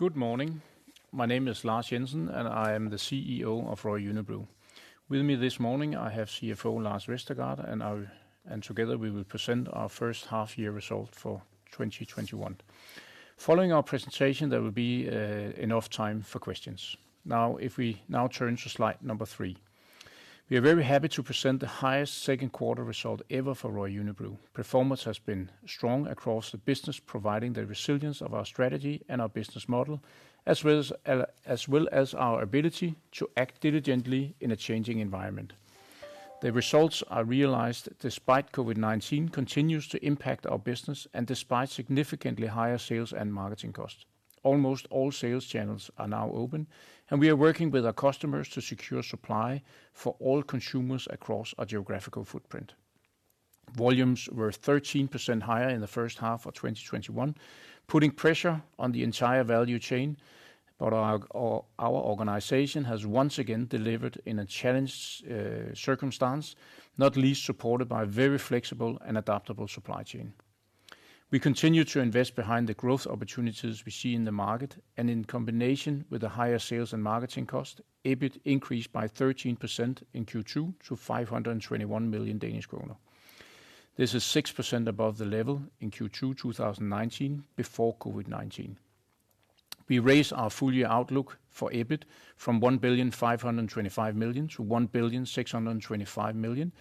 Good morning. My name is Lars Jensen. I am the CEO of Royal Unibrew. With me this morning, I have CFO Lars Vestergaard. Together we will present our first half-year result for 2021. Following our presentation, there will be enough time for questions. If we now turn to slide number three. We are very happy to present the highest second quarter result ever for Royal Unibrew. Performance has been strong across the business, providing the resilience of our strategy and our business model, as well as our ability to act diligently in a changing environment. The results are realized despite COVID-19 continues to impact our business and despite significantly higher sales and marketing costs. Almost all sales channels are now open. We are working with our customers to secure supply for all consumers across our geographical footprint. Volumes were 13% higher in the first half of 2021, putting pressure on the entire value chain. Our organization has once again delivered in a challenged circumstance, not least supported by a very flexible and adaptable supply chain. We continue to invest behind the growth opportunities we see in the market, in combination with the higher sales and marketing cost, EBIT increased by 13% in Q2 to 521 million Danish kroner. This is 6% above the level in Q2 2019, before COVID-19. We raised our full-year outlook for EBIT from 1,525 million-1,625 million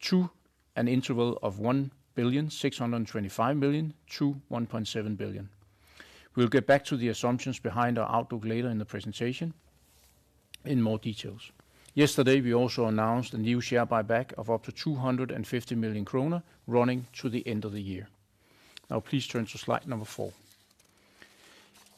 to an interval of 1,625 million-1.7 billion. We'll get back to the assumptions behind our outlook later in the presentation in more details. Yesterday, we also announced a new share buyback of up to 250 million kroner running to the end of the year. Please turn to slide number four.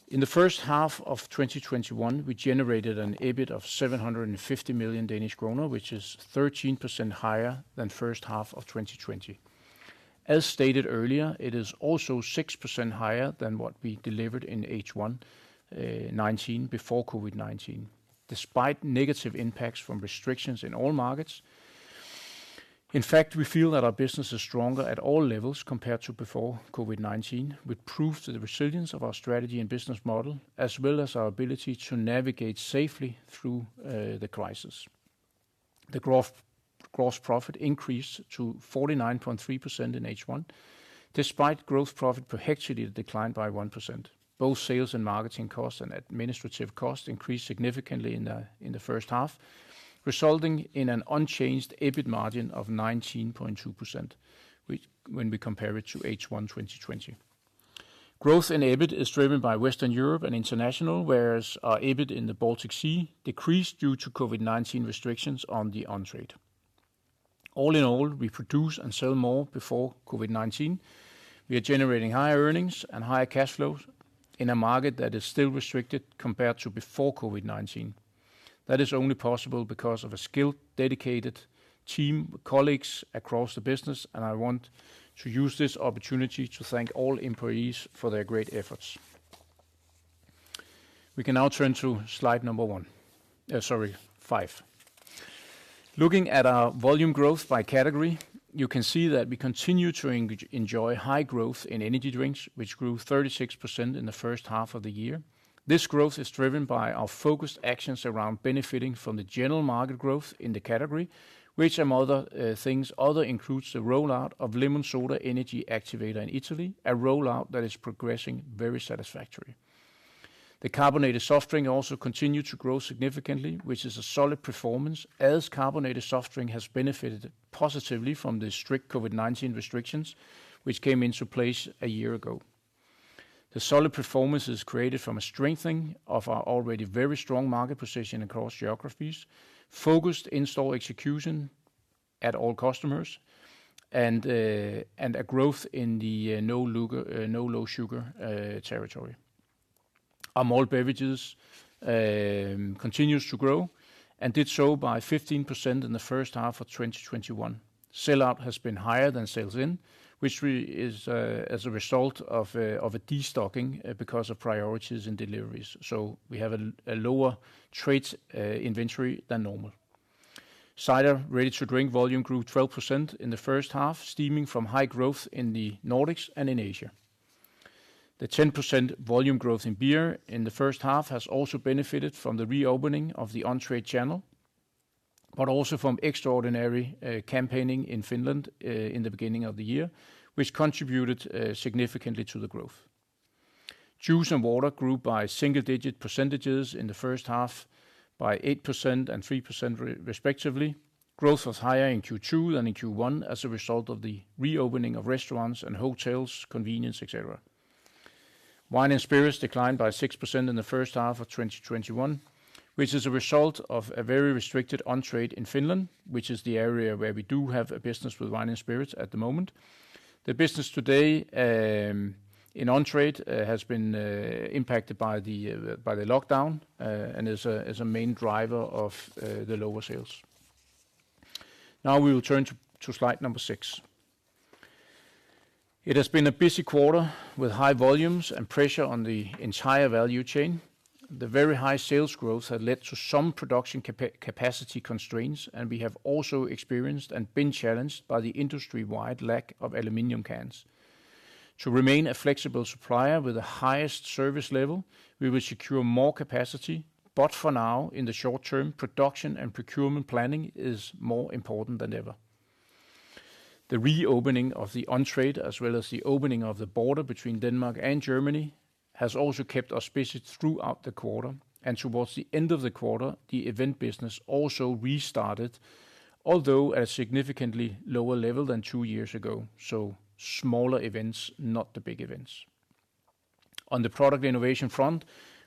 In the first half of 2021, we generated an EBIT of 750 million Danish kroner, which is 13% higher than first half of 2020. As stated earlier, it is also 6% higher than what we delivered in H1 2019 before COVID-19, despite negative impacts from restrictions in all markets. In fact, we feel that our business is stronger at all levels compared to before COVID-19, with proof to the resilience of our strategy and business model, as well as our ability to navigate safely through the crisis. The gross profit increased to 49.3% in H1. Despite gross profit per hectolitre declined by 1%. Both sales and marketing costs and administrative costs increased significantly in the first half, resulting in an unchanged EBIT margin of 19.2% when we compare it to H1 2020. Growth in EBIT is driven by Western Europe and international, whereas our EBIT in the Baltic Sea decreased due to COVID-19 restrictions on the on-trade. All in all, we produce and sell more before COVID-19. We are generating higher earnings and higher cash flows in a market that is still restricted compared to before COVID-19. That is only possible because of a skilled, dedicated team, colleagues across the business, and I want to use this opportunity to thank all employees for their great efforts. We can now turn to slide number one. Sorry, five. Looking at our volume growth by category, you can see that we continue to enjoy high growth in energy drinks, which grew 36% in the first half of the year. This growth is driven by our focused actions around benefiting from the general market growth in the category, which among other things, other includes the rollout of Lemonsoda Energy Activator in Italy, a rollout that is progressing very satisfactory. The carbonated soft drink also continued to grow significantly, which is a solid performance, as carbonated soft drink has benefited positively from the strict COVID-19 restrictions which came into place a year ago. The solid performance is created from a strengthening of our already very strong market position across geographies, focused in-store execution at all customers, and a growth in the no low sugar territory. Our malt beverages continues to grow and did so by 15% in the first half of 2021. Sell-out has been higher than sales in, which is as a result of a destocking because of priorities in deliveries. We have a lower trade inventory than normal. Cider ready-to-drink volume grew 12% in the first half, stemming from high growth in the Nordics and in Asia. The 10% volume growth in beer in the first half has also benefited from the reopening of the on-trade channel, but also from extraordinary campaigning in Finland in the beginning of the year, which contributed significantly to the growth. Juice and water grew by single-digit percentages in the first half by 8% and 3% respectively. Growth was higher in Q2 than in Q1 as a result of the reopening of restaurants and hotels, convenience, et cetera. Wine and spirits declined by 6% in the first half of 2021, which is a result of a very restricted on-trade in Finland, which is the area where we do have a business with wine and spirits at the moment. The business today in on-trade has been impacted by the lockdown, and is a main driver of the lower sales. Now we will turn to slide number six. It has been a busy quarter with high volumes and pressure on the entire value chain. The very high sales growth had led to some production capacity constraints, and we have also experienced and been challenged by the industry-wide lack of aluminum cans. To remain a flexible supplier with the highest service level, we will secure more capacity. For now, in the short term, production and procurement planning is more important than ever. The reopening of the on-trade, as well as the opening of the border between Denmark and Germany, has also kept us busy throughout the quarter. Towards the end of the quarter, the event business also restarted, although at a significantly lower level than two years ago, so smaller events, not the big events. On the product innovation front,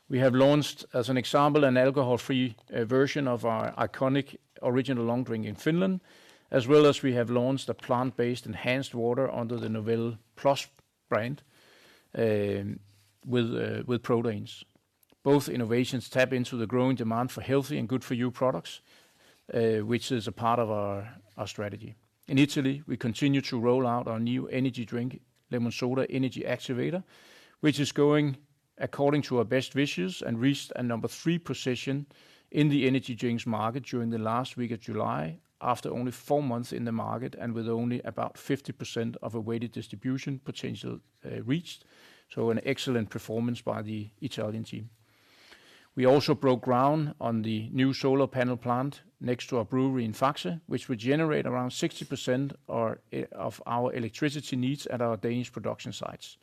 we have launched, as an example, an alcohol-free version of our iconic Original Long Drink in Finland, as well as we have launched a plant-based enhanced water under the Novelle Pro brand, with proteins. Both innovations tap into the growing demand for healthy and good-for-you products, which is a part of our strategy. In Italy, we continue to roll out our new energy drink, Lemonsoda Energy Activator, which is going according to our best wishes and reached a number three position in the energy drinks market during the last week of July, after only four months in the market, and with only about 50% of a weighted distribution potential reached. An excellent performance by the Italian team. We also broke ground on the new solar panel plant next to our brewery in Faxe, which would generate around 60% of our electricity needs at our Danish production sites.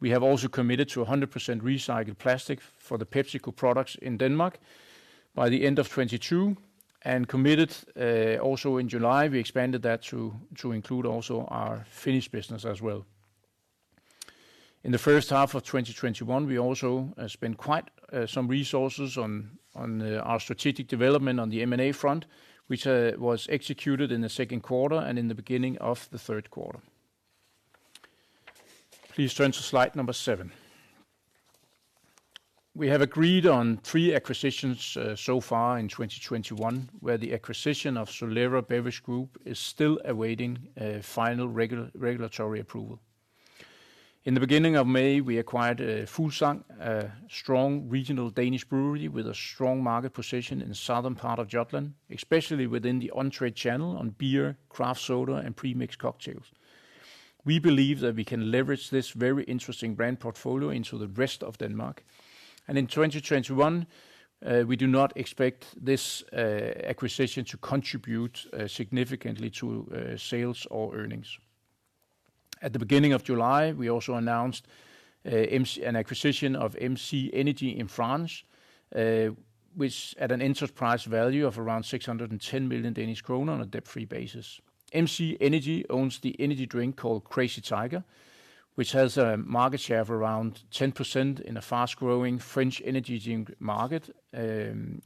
We have also committed to 100% recycled plastic for the PepsiCo products in Denmark by the end of 2022, and committed also in July. We expanded that to include also our Finnish business as well. In the first half of 2021, we also spent quite some resources on our strategic development on the M&A front, which was executed in the second quarter and in the beginning of the third quarter. Please turn to slide number seven. We have agreed on three acquisitions so far in 2021, where the acquisition of Solera Beverage Group is still awaiting final regulatory approval. In the beginning of May, we acquired Fuglsang, a strong regional Danish brewery with a strong market position in the southern part of Jutland, especially within the on-trade channel on beer, craft soda, and pre-mixed cocktails. We believe that we can leverage this very interesting brand portfolio into the rest of Denmark. In 2021, we do not expect this acquisition to contribute significantly to sales or earnings. At the beginning of July, we also announced an acquisition of MC Energy in France, at an enterprise value of around 610 million Danish kroner on a debt-free basis. MC Energy owns the energy drink called Crazy Tiger, which has a market share of around 10% in a fast-growing French energy drink market,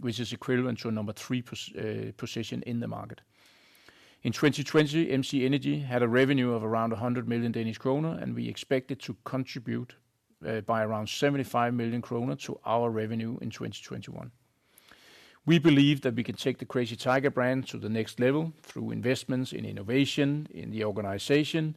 which is equivalent to a number three position in the market. In 2020, MC Energy had a revenue of around 100 million Danish kroner, and we expect it to contribute by around 75 million kroner to our revenue in 2021. We believe that we can take the Crazy Tiger brand to the next level through investments in innovation, in the organization,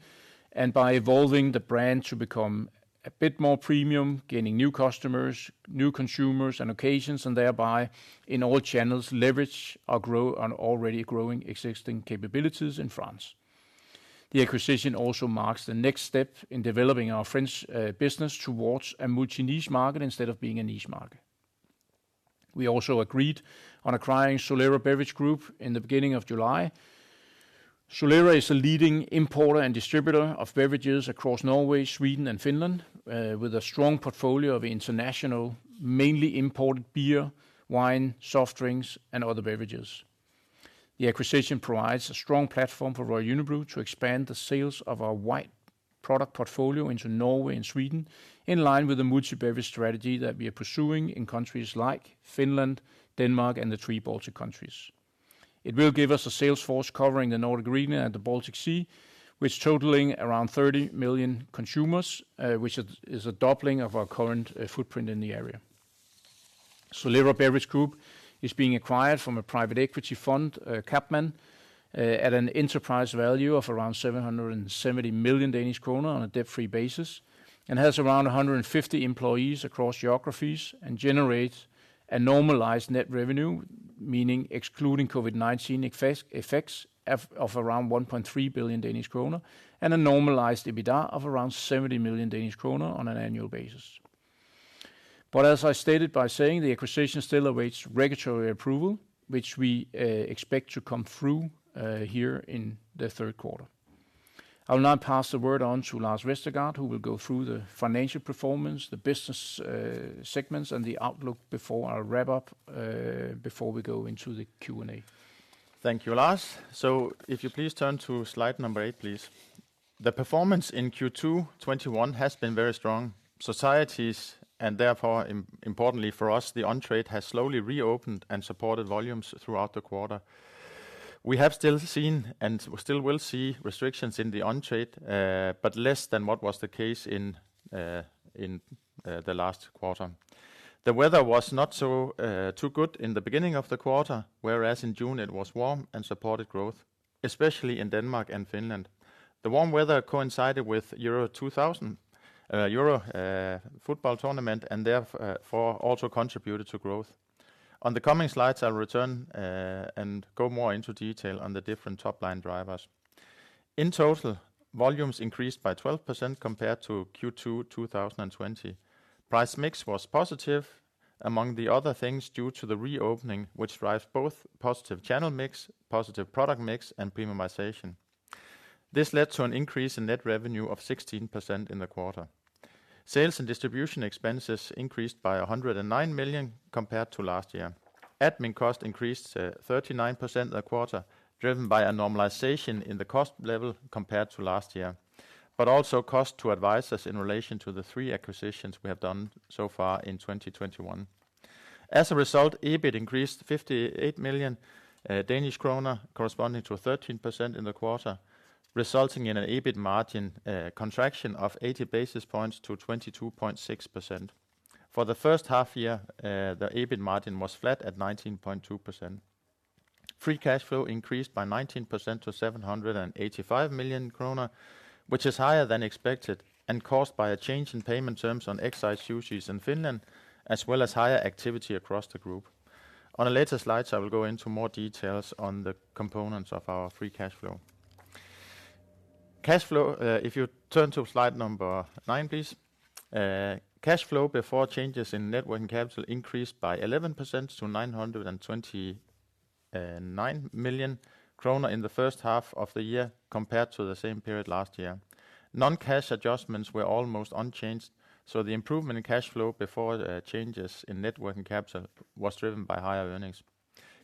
and by evolving the brand to become a bit more premium, gaining new customers, new consumers, and occasions, and thereby, in all channels, leverage our already growing existing capabilities in France. The acquisition also marks the next step in developing our French business towards a multi-niche market instead of being a niche market. We also agreed on acquiring Solera Beverage Group in the beginning of July. Solera is a leading importer and distributor of beverages across Norway, Sweden, and Finland, with a strong portfolio of international, mainly imported beer, wine, soft drinks, and other beverages. The acquisition provides a strong platform for Royal Unibrew to expand the sales of our wide product portfolio into Norway and Sweden, in line with the multi-beverage strategy that we are pursuing in countries like Finland, Denmark, and the three Baltic countries. It will give us a sales force covering the Nordic region and the Baltic Sea, which totaling around 30 million consumers, which is a doubling of our current footprint in the area. Solera Beverage Group is being acquired from a private equity fund, CapMan, at an enterprise value of around 770 million Danish kroner on a debt-free basis, and has around 150 employees across geographies and generates a normalized net revenue, meaning excluding COVID-19 effects, of around 1.3 billion Danish kroner, and a normalized EBITDA of around 70 million Danish kroner on an annual basis. As I stated by saying, the acquisition still awaits regulatory approval, which we expect to come through here in the third quarter. I will now pass the word on to Lars Vestergaard, who will go through the financial performance, the business segments, and the outlook before I wrap up, before we go into the Q&A. Thank you, Lars. If you please turn to slide number eight, please. The performance in Q2 2021 has been very strong. Societies, and therefore importantly for us, the on-trade has slowly reopened and supported volumes throughout the quarter. We have still seen, and still will see restrictions in the on-trade, but less than what was the case in the last quarter. The weather was not too good in the beginning of the quarter, whereas in June it was warm and supported growth. Especially in Denmark and Finland. The warm weather coincided with Euro 2020 football tournament, and therefore also contributed to growth. On the coming slides, I'll return and go more into detail on the different top-line drivers. In total, volumes increased by 12% compared to Q2 2020. Price mix was positive, among the other things, due to the reopening, which drives both positive channel mix, positive product mix, and premiumization. This led to an increase in net revenue of 16% in the quarter. Sales and distribution expenses increased by 109 million compared to last year. Admin cost increased 39% in the quarter, driven by a normalization in the cost level compared to last year, but also cost to advisors in relation to the three acquisitions we have done so far in 2021. As a result, EBIT increased 58 million Danish kroner, corresponding to 13% in the quarter, resulting in an EBIT margin contraction of 80 basis points to 22.6%. For the first half year, the EBIT margin was flat at 19.2%. Free cash flow increased by 19% to 785 million kroner, which is higher than expected and caused by a change in payment terms on excise duties in Finland, as well as higher activity across the group. On a later slide, I will go into more details on the components of our free cash flow. If you turn to slide number nine, please. Cash flow before changes in net working capital increased by 11% to 929 million kroner in the first half of the year compared to the same period last year. Non-cash adjustments were almost unchanged, so the improvement in cash flow before changes in net working capital was driven by higher earnings.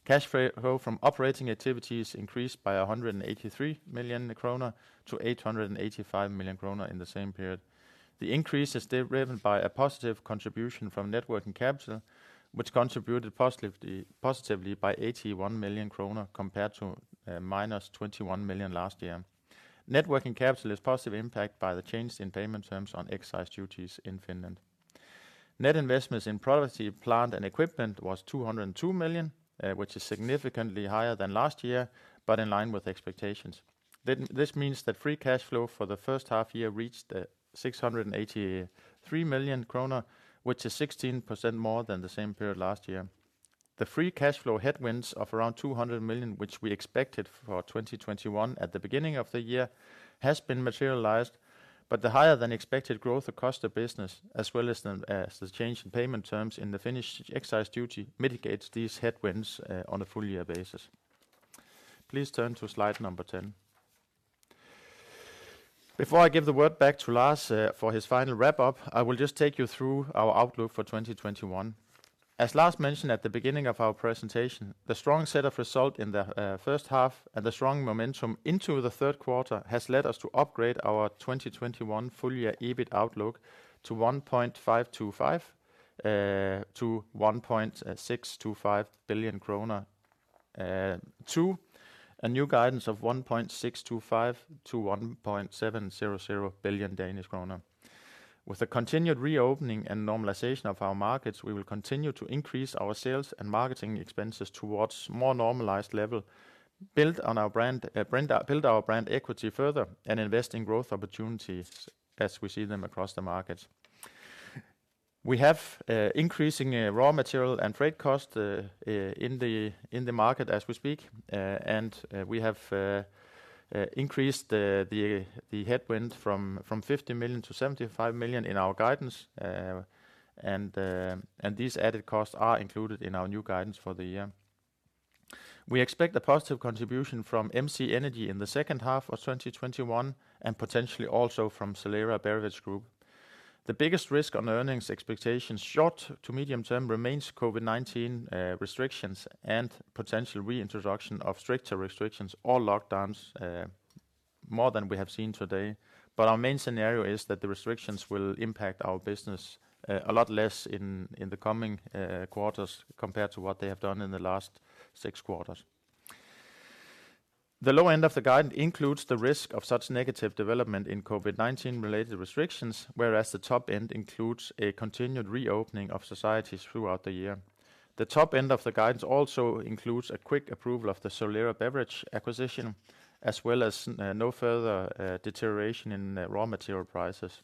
Cash flow from operating activities increased by 183 million kroner to 885 million kroner in the same period. The increase is driven by a positive contribution from net working capital, which contributed positively by 81 million kroner compared to -21 million last year. Net working capital is positively impacted by the change in payment terms on excise duties in Finland. Net investments in property, plant, and equipment was 202 million, which is significantly higher than last year, but in line with expectations. This means that free cash flow for the first half year reached 683 million kroner, which is 16% more than the same period last year. The free cash flow headwinds of around 200 million, which we expected for 2021 at the beginning of the year, has been materialized, but the higher than expected growth across the business as well as the change in payment terms in the Finnish excise duty mitigates these headwinds on a full year basis. Please turn to slide number 10. Before I give the word back to Lars for his final wrap-up, I will just take you through our outlook for 2021. As Lars mentioned at the beginning of our presentation, the strong set of results in the first half and the strong momentum into the third quarter has led us to upgrade our 2021 full year EBIT outlook to 1.525 billion-1.625 billion kroner to a new guidance of 1.625 billion-1.700 billion Danish kroner. With the continued reopening and normalization of our markets, we will continue to increase our sales and marketing expenses towards more normalized level, build our brand equity further, and invest in growth opportunities as we see them across the markets. We have increasing raw material and freight cost in the market as we speak, and we have increased the headwind from 50 million to 75 million in our guidance, and these added costs are included in our new guidance for the year. We expect a positive contribution from MC Energy in the second half of 2021 and potentially also from Solera Beverage Group. The biggest risk on earnings expectations short to medium term remains COVID-19 restrictions and potential reintroduction of stricter restrictions or lockdowns more than we have seen today. Our main scenario is that the restrictions will impact our business a lot less in the coming quarters compared to what they have done in the last six quarters. The low end of the guidance includes the risk of such negative development in COVID-19 related restrictions, whereas the top end includes a continued reopening of societies throughout the year. The top end of the guidance also includes a quick approval of the Solera Beverage acquisition, as well as no further deterioration in raw material prices.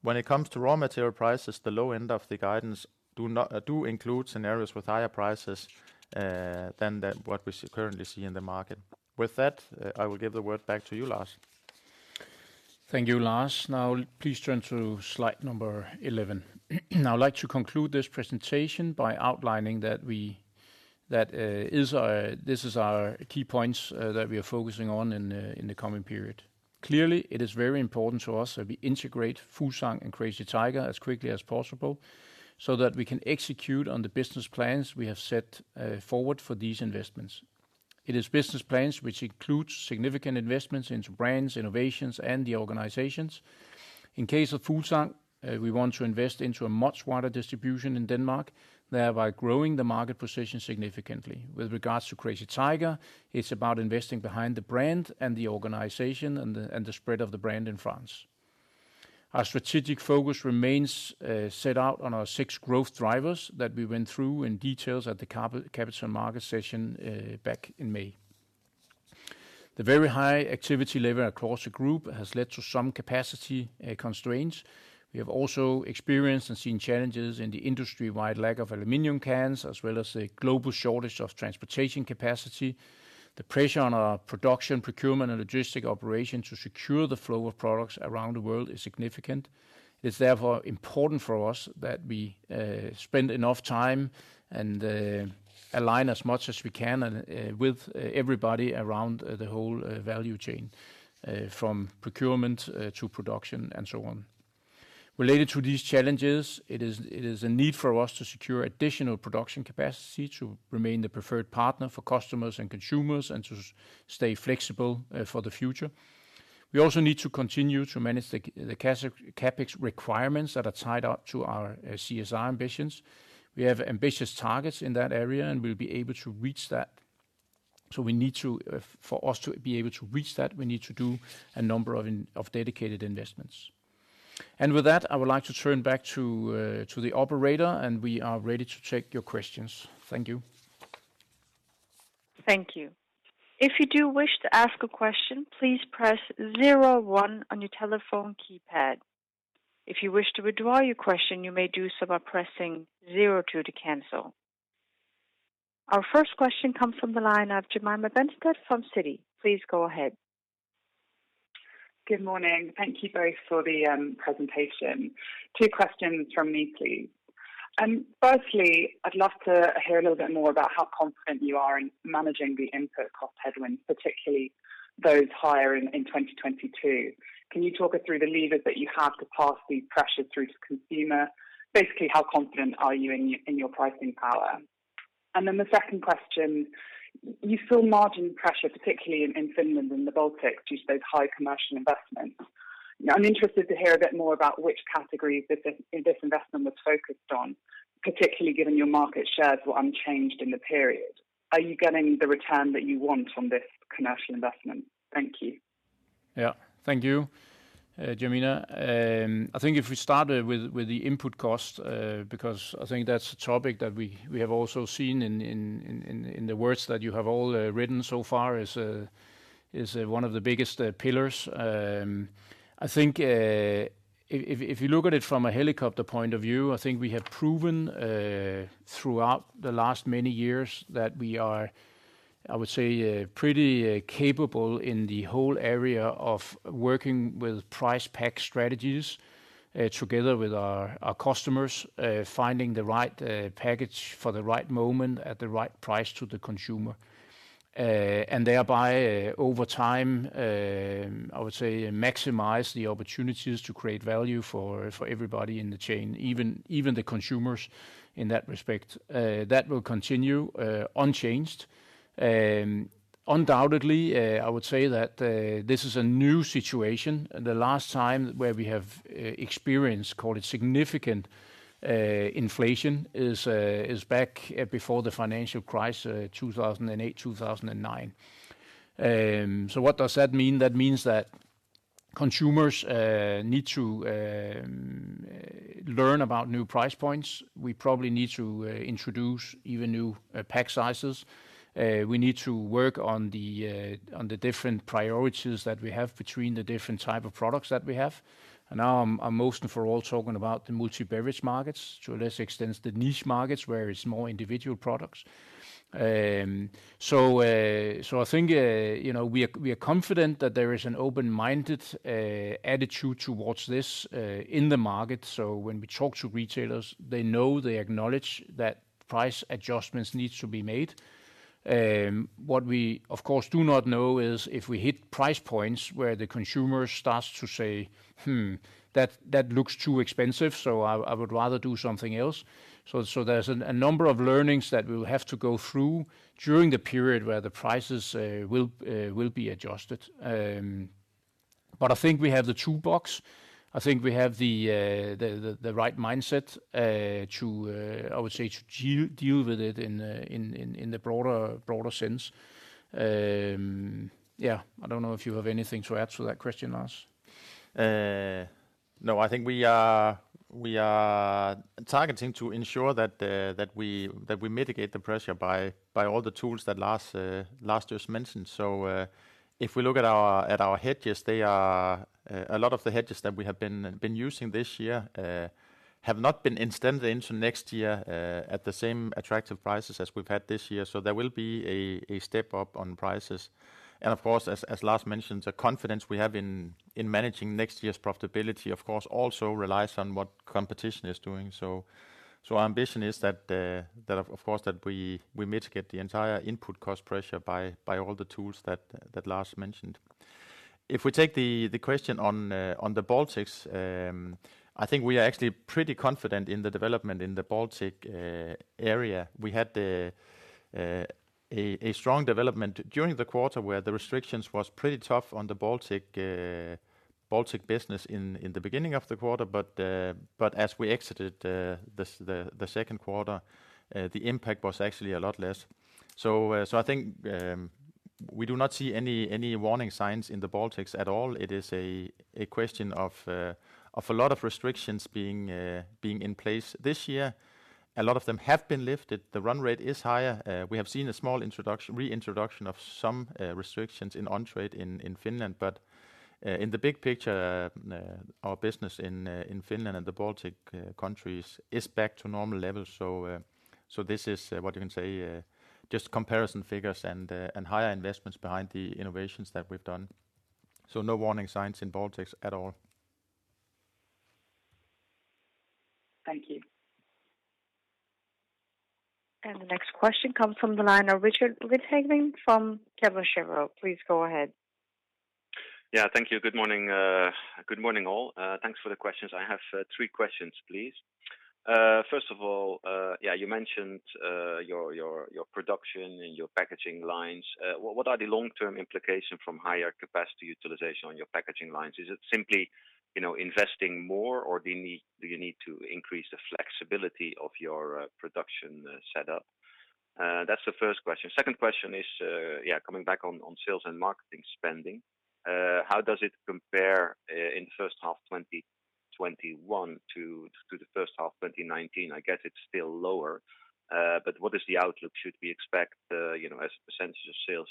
When it comes to raw material prices, the low end of the guidance do include scenarios with higher prices than what we currently see in the market. With that, I will give the word back to you, Lars. Thank you, Lars. Now please turn to slide number 11. I'd like to conclude this presentation by outlining that this is our key points that we are focusing on in the coming period. Clearly, it is very important to us that we integrate Fuglsang and Crazy Tiger as quickly as possible so that we can execute on the business plans we have set forward for these investments. It is business plans which includes significant investments into brands, innovations, and the organizations. In case of Fuglsang, we want to invest into a much wider distribution in Denmark, thereby growing the market position significantly. With regards to Crazy Tiger, it's about investing behind the brand and the organization and the spread of the brand in France. Our strategic focus remains set out on our six growth drivers that we went through in details at the capital market session back in May. The very high activity level across the group has led to some capacity constraints. We have also experienced and seen challenges in the industry-wide lack of aluminum cans, as well as a global shortage of transportation capacity. The pressure on our production, procurement, and logistic operation to secure the flow of products around the world is significant. It's therefore important for us that we spend enough time and align as much as we can and with everybody around the whole value chain, from procurement to production and so on. Related to these challenges, it is a need for us to secure additional production capacity to remain the preferred partner for customers and consumers, and to stay flexible for the future. We also need to continue to manage the CapEx requirements that are tied up to our CSR ambitions. We have ambitious targets in that area, and we'll be able to reach that. For us to be able to reach that, we need to do a number of dedicated investments. With that, I would like to turn back to the operator, and we are ready to take your questions. Thank you. Thank you. If you do wish to ask a question, please press zero one on your telephone keypad. If you wish to withdraw your question, you may do so by pressing zero two to cancel. Our first question comes from the line of Jemima Benstead from Citi. Please go ahead. Good morning. Thank you both for the presentation. Two questions from me, please. Firstly, I'd love to hear a little bit more about how confident you are in managing the input cost headwinds, particularly those higher in 2022. Can you talk us through the levers that you have to pass these pressures through to consumer? Basically, how confident are you in your pricing power? Then the second question, you saw margin pressure, particularly in Finland and the Baltics due to those high commercial investments. I'm interested to hear a bit more about which categories this investment was focused on, particularly given your market shares were unchanged in the period. Are you getting the return that you want from this commercial investment? Thank you. Thank you, Jemima. I think if we start with the input cost, because I think that's a topic that we have also seen in the words that you have all written so far is one of the biggest pillars. I think if you look at it from a helicopter point of view, I think we have proven throughout the last many years that we are, I would say, pretty capable in the whole area of working with price pack strategies together with our customers, finding the right package for the right moment at the right price to the consumer. Thereby, over time, I would say maximize the opportunities to create value for everybody in the chain, even the consumers in that respect. That will continue unchanged. Undoubtedly, I would say that this is a new situation. The last time where we have experienced, call it, significant inflation is back before the financial crisis, 2008, 2009. What does that mean? That means that consumers need to learn about new price points. We probably need to introduce even new pack sizes. We need to work on the different priorities that we have between the different type of products that we have. Now I'm mostly for all talking about the multi-beverage markets, to a less extent the niche markets where it's more individual products. I think we are confident that there is an open-minded attitude towards this in the market. When we talk to retailers, they know, they acknowledge that price adjustments needs to be made. What we, of course, do not know is if we hit price points where the consumer starts to say, "Hmm, that looks too expensive, so I would rather do something else." There's a number of learnings that we'll have to go through during the period where the prices will be adjusted. I think we have the toolbox. I think we have the right mindset, I would say, to deal with it in the broader sense. Yeah, I don't know if you have anything to add to that question, Lars. No, I think we are targeting to ensure that we mitigate the pressure by all the tools that Lars just mentioned. If we look at our hedges, a lot of the hedges that we have been using this year have not been extended into next year at the same attractive prices as we've had this year. There will be a step up on prices. Of course, as Lars mentioned, the confidence we have in managing next year's profitability, of course, also relies on what competition is doing. Our ambition is, of course, that we mitigate the entire input cost pressure by all the tools that Lars mentioned. If we take the question on the Baltics, I think we are actually pretty confident in the development in the Baltic area. We had a strong development during the quarter where the restrictions was pretty tough on the Baltic business in the beginning of the quarter, but as we exited the second quarter, the impact was actually a lot less. We do not see any warning signs in the Baltics at all. It is a question of a lot of restrictions being in place this year. A lot of them have been lifted. The run rate is higher. We have seen a small reintroduction of some restrictions in on-trade in Finland. In the big picture, our business in Finland and the Baltic countries is back to normal levels. This is what you can say, just comparison figures and higher investments behind the innovations that we've done. No warning signs in Baltics at all. Thank you. The next question comes from the line of Richard Withagen from Kepler Cheuvreux. Please go ahead. Yeah. Thank you. Good morning, all. Thanks for the questions. I have three questions, please. First of all, you mentioned your production and your packaging lines. What are the long-term implications from higher capacity utilization on your packaging lines? Is it simply investing more, or do you need to increase the flexibility of your production setup? That's the first question. Second question is, coming back on sales and marketing spending, how does it compare in the first half of 2021 to the first half of 2019? I guess it's still lower. What is the outlook? Should we expect as a percentage of sales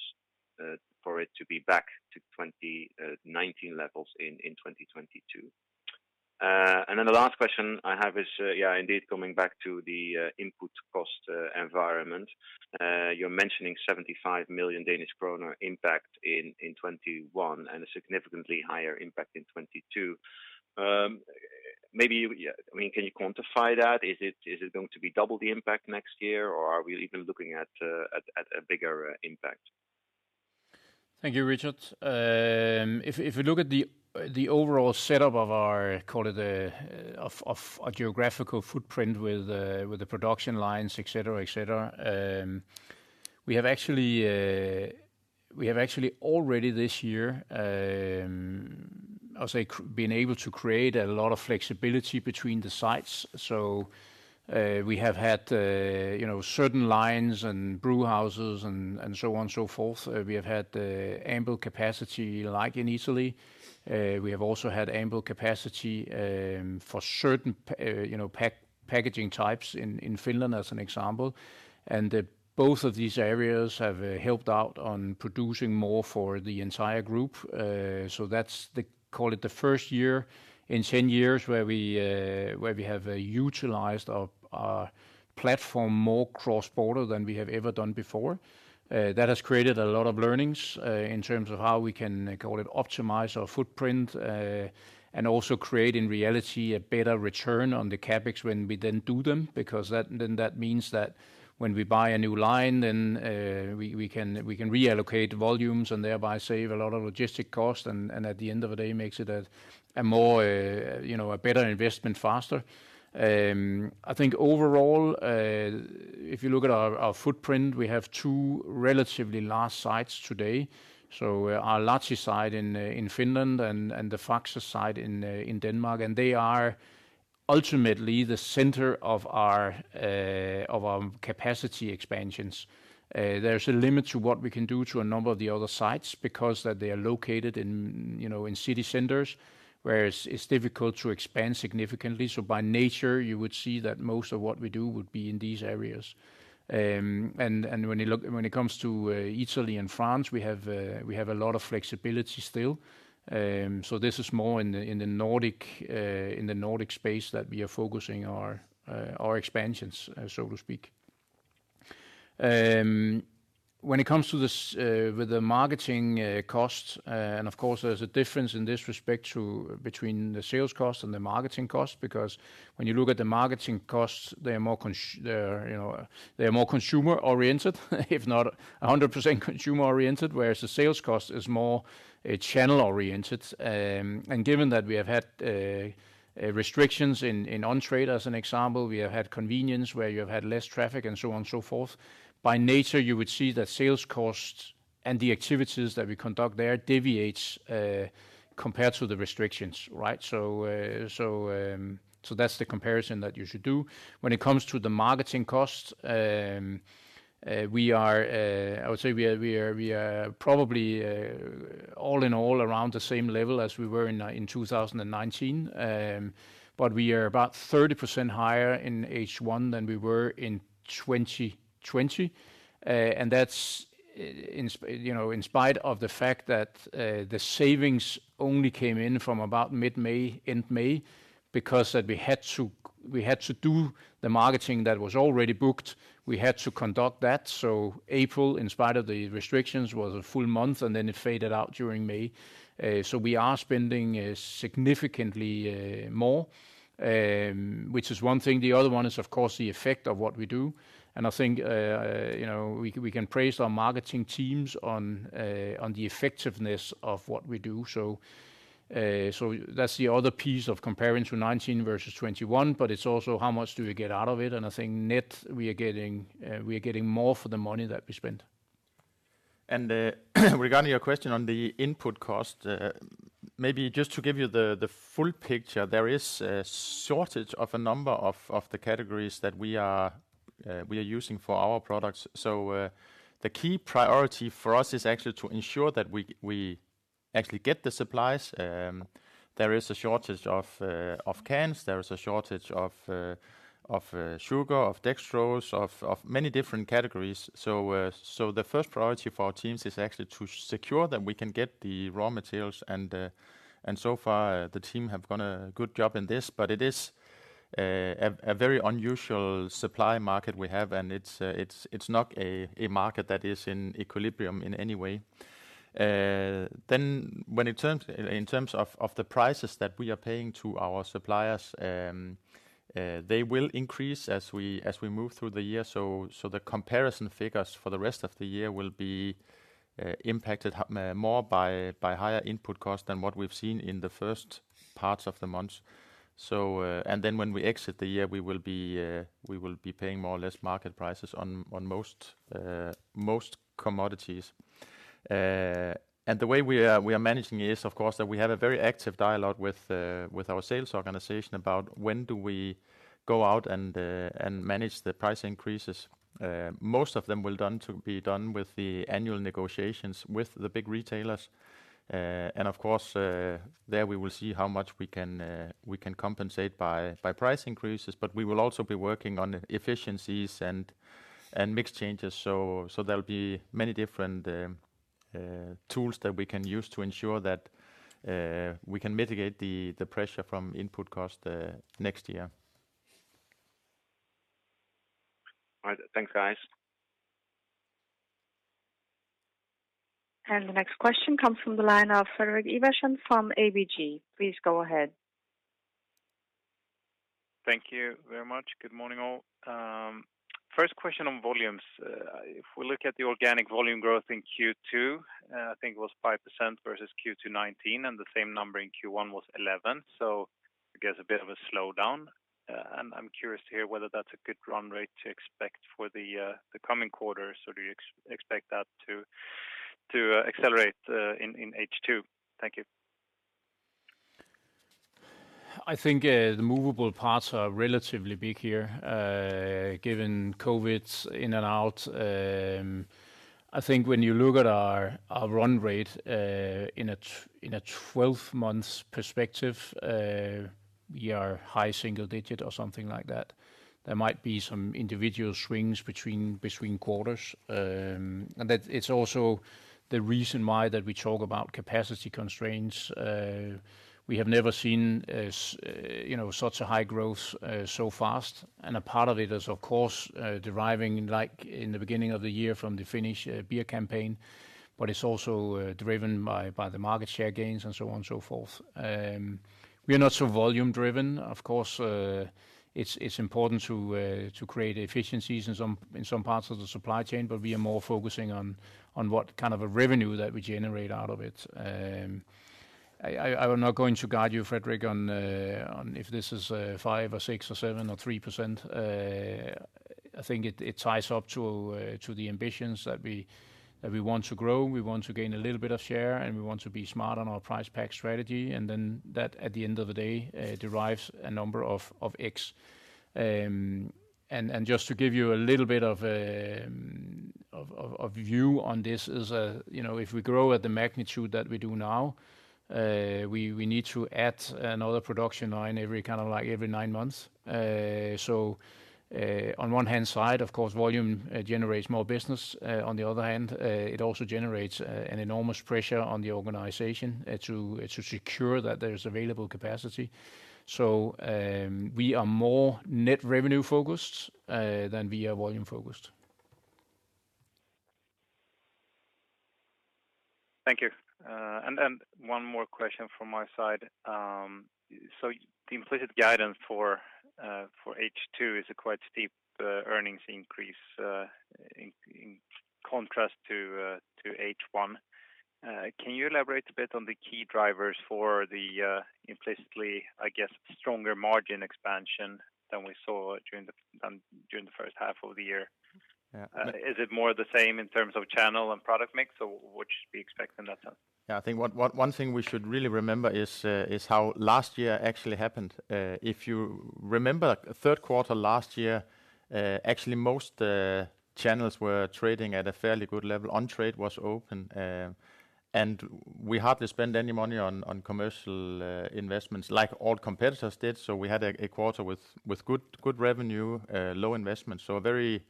for it to be back to 2019 levels in 2022? The last question I have is indeed coming back to the input cost environment. You're mentioning 75 million Danish kroner impact in 2021, and a significantly higher impact in 2022. Can you quantify that? Is it going to be double the impact next year, or are we even looking at a bigger impact? Thank you, Richard. If we look at the overall setup of our geographical footprint with the production lines, et cetera, we have actually already this year, I would say, been able to create a lot of flexibility between the sites. We have had certain lines and brewhouses and so on and so forth. We have had ample capacity like in Italy. We have also had ample capacity for certain packaging types in Finland, as an example. Both of these areas have helped out on producing more for the entire group. That's, call it the first year in 10 years where we have utilized our platform more cross-border than we have ever done before. That has created a lot of learnings in terms of how we can, call it, optimize our footprint, and also create, in reality, a better return on the CapEx when we then do them, because then that means that when we buy a new line, then we can reallocate volumes and thereby save a lot of logistic costs, and at the end of the day, makes it a better investment faster. I think overall, if you look at our footprint, we have two relatively large sites today. Our Lahti site in Finland and the Faxe site in Denmark, and they are ultimately the center of our capacity expansions. There's a limit to what we can do to a number of the other sites because they are located in city centers, where it's difficult to expand significantly. By nature, you would see that most of what we do would be in these areas. When it comes to Italy and France, we have a lot of flexibility still. This is more in the Nordic space that we are focusing our expansions, so to speak. When it comes to the marketing costs, and of course, there's a difference in this respect between the sales cost and the marketing cost, because when you look at the marketing costs, they're more consumer-oriented, if not 100% consumer-oriented, whereas the sales cost is more channel-oriented. Given that we have had restrictions in on-trade as an example, we have had convenience where you have had less traffic and so on and so forth. By nature, you would see that sales costs and the activities that we conduct there deviates compared to the restrictions, right? That's the comparison that you should do. When it comes to the marketing costs, I would say we are probably all in all around the same level as we were in 2019, but we are about 30% higher in H1 than we were in 2020. That's in spite of the fact that the savings only came in from about mid-May, end May, because we had to do the marketing that was already booked. We had to conduct that. April, in spite of the restrictions, was a full month, and then it faded out during May. We are spending significantly more, which is one thing. The other one is, of course, the effect of what we do. I think we can praise our marketing teams on the effectiveness of what we do. That's the other piece of comparing to 2019 versus 2021. It's also how much do we get out of it? I think net, we are getting more for the money that we spend. Regarding your question on the input cost. Maybe just to give you the full picture, there is a shortage of a number of the categories that we are using for our products. The key priority for us is actually to ensure that we actually get the supplies. There is a shortage of cans, there is a shortage of sugar, of dextrose, of many different categories. The first priority for our teams is actually to secure that we can get the raw materials, and so far the team have done a good job in this. It is a very unusual supply market we have, and it's not a market that is in equilibrium in any way. In terms of the prices that we are paying to our suppliers, they will increase as we move through the year. The comparison figures for the rest of the year will be impacted more by higher input costs than what we've seen in the first parts of the month. When we exit the year, we will be paying more or less market prices on most commodities. The way we are managing is, of course, that we have a very active dialogue with our sales organization about when do we go out and manage the price increases. Most of them will be done with the annual negotiations with the big retailers. Of course, there we will see how much we can compensate by price increases, but we will also be working on efficiencies and mix changes. There'll be many different tools that we can use to ensure that we can mitigate the pressure from input costs next year. All right. Thanks, guys. The next question comes from the line of Fredrik Ivarsson from ABG. Please go ahead. Thank you very much. Good morning, all. First question on volumes. If we look at the organic volume growth in Q2, I think it was 5% versus Q2 2019, and the same number in Q1 was 11%. I guess a bit of a slowdown. I'm curious to hear whether that's a good run rate to expect for the coming quarters, or do you expect that to accelerate in H2? Thank you. I think the movable parts are relatively big here given COVID's in and out. I think when you look at our run rate in a 12 months perspective, we are high single digit or something like that. There might be some individual swings between quarters. That it's also the reason why that we talk about capacity constraints. We have never seen such a high growth so fast. A part of it is, of course, deriving like in the beginning of the year from the Finnish beer campaign, but it's also driven by the market share gains and so on and so forth. We are not so volume driven. Of course, it's important to create efficiencies in some parts of the supply chain, but we are more focusing on what kind of a revenue that we generate out of it. I am not going to guide you, Fredrik, on if this is 5% or 6% or 7% or 3%. I think it ties up to the ambitions that we want to grow, we want to gain a little bit of share, and we want to be smart on our price pack strategy. That at the end of the day derives a number of X. Just to give you a little bit of a view on this is, if we grow at the magnitude that we do now, we need to add another production line every nine months. On one hand side, of course, volume generates more business. On the other hand, it also generates an enormous pressure on the organization to secure that there's available capacity. We are more net revenue focused than we are volume focused. Thank you. One more question from my side. The implicit guidance for H2 is a quite steep earnings increase in contrast to H1. Can you elaborate a bit on the key drivers for the implicitly, I guess, stronger margin expansion than we saw during the first half of the year? Yeah. Is it more the same in terms of channel and product mix, or what should we expect in that sense? Yeah, I think one thing we should really remember is how last year actually happened. If you remember third quarter last year, actually most channels were trading at a fairly good level. On-trade was open. We hardly spent any money on commercial investments like all competitors did. We had a quarter with good revenue, low investment, so a very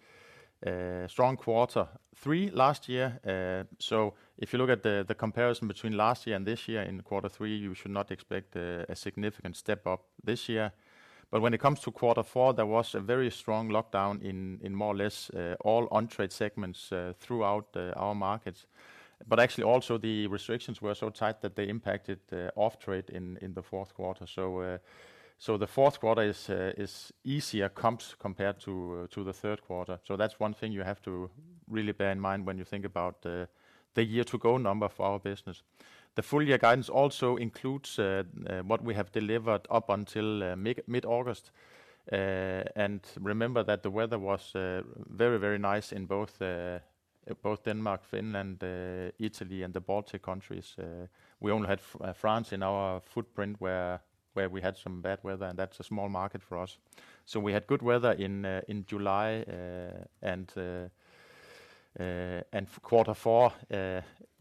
strong quarter three last year. If you look at the comparison between last year and this year in quarter three, you should not expect a significant step-up this year. When it comes to quarter four, there was a very strong lockdown in more or less all on-trade segments throughout our markets. Actually also the restrictions were so tight that they impacted off-trade in the fourth quarter. The fourth quarter is easier comps compared to the third quarter. That's one thing you have to really bear in mind when you think about the year to go number for our business. The full year guidance also includes what we have delivered up until mid-August. Remember that the weather was very, very nice in both Denmark, Finland, Italy, and the Baltic countries. We only had France in our footprint where we had some bad weather, and that's a small market for us. We had good weather in July, and quarter four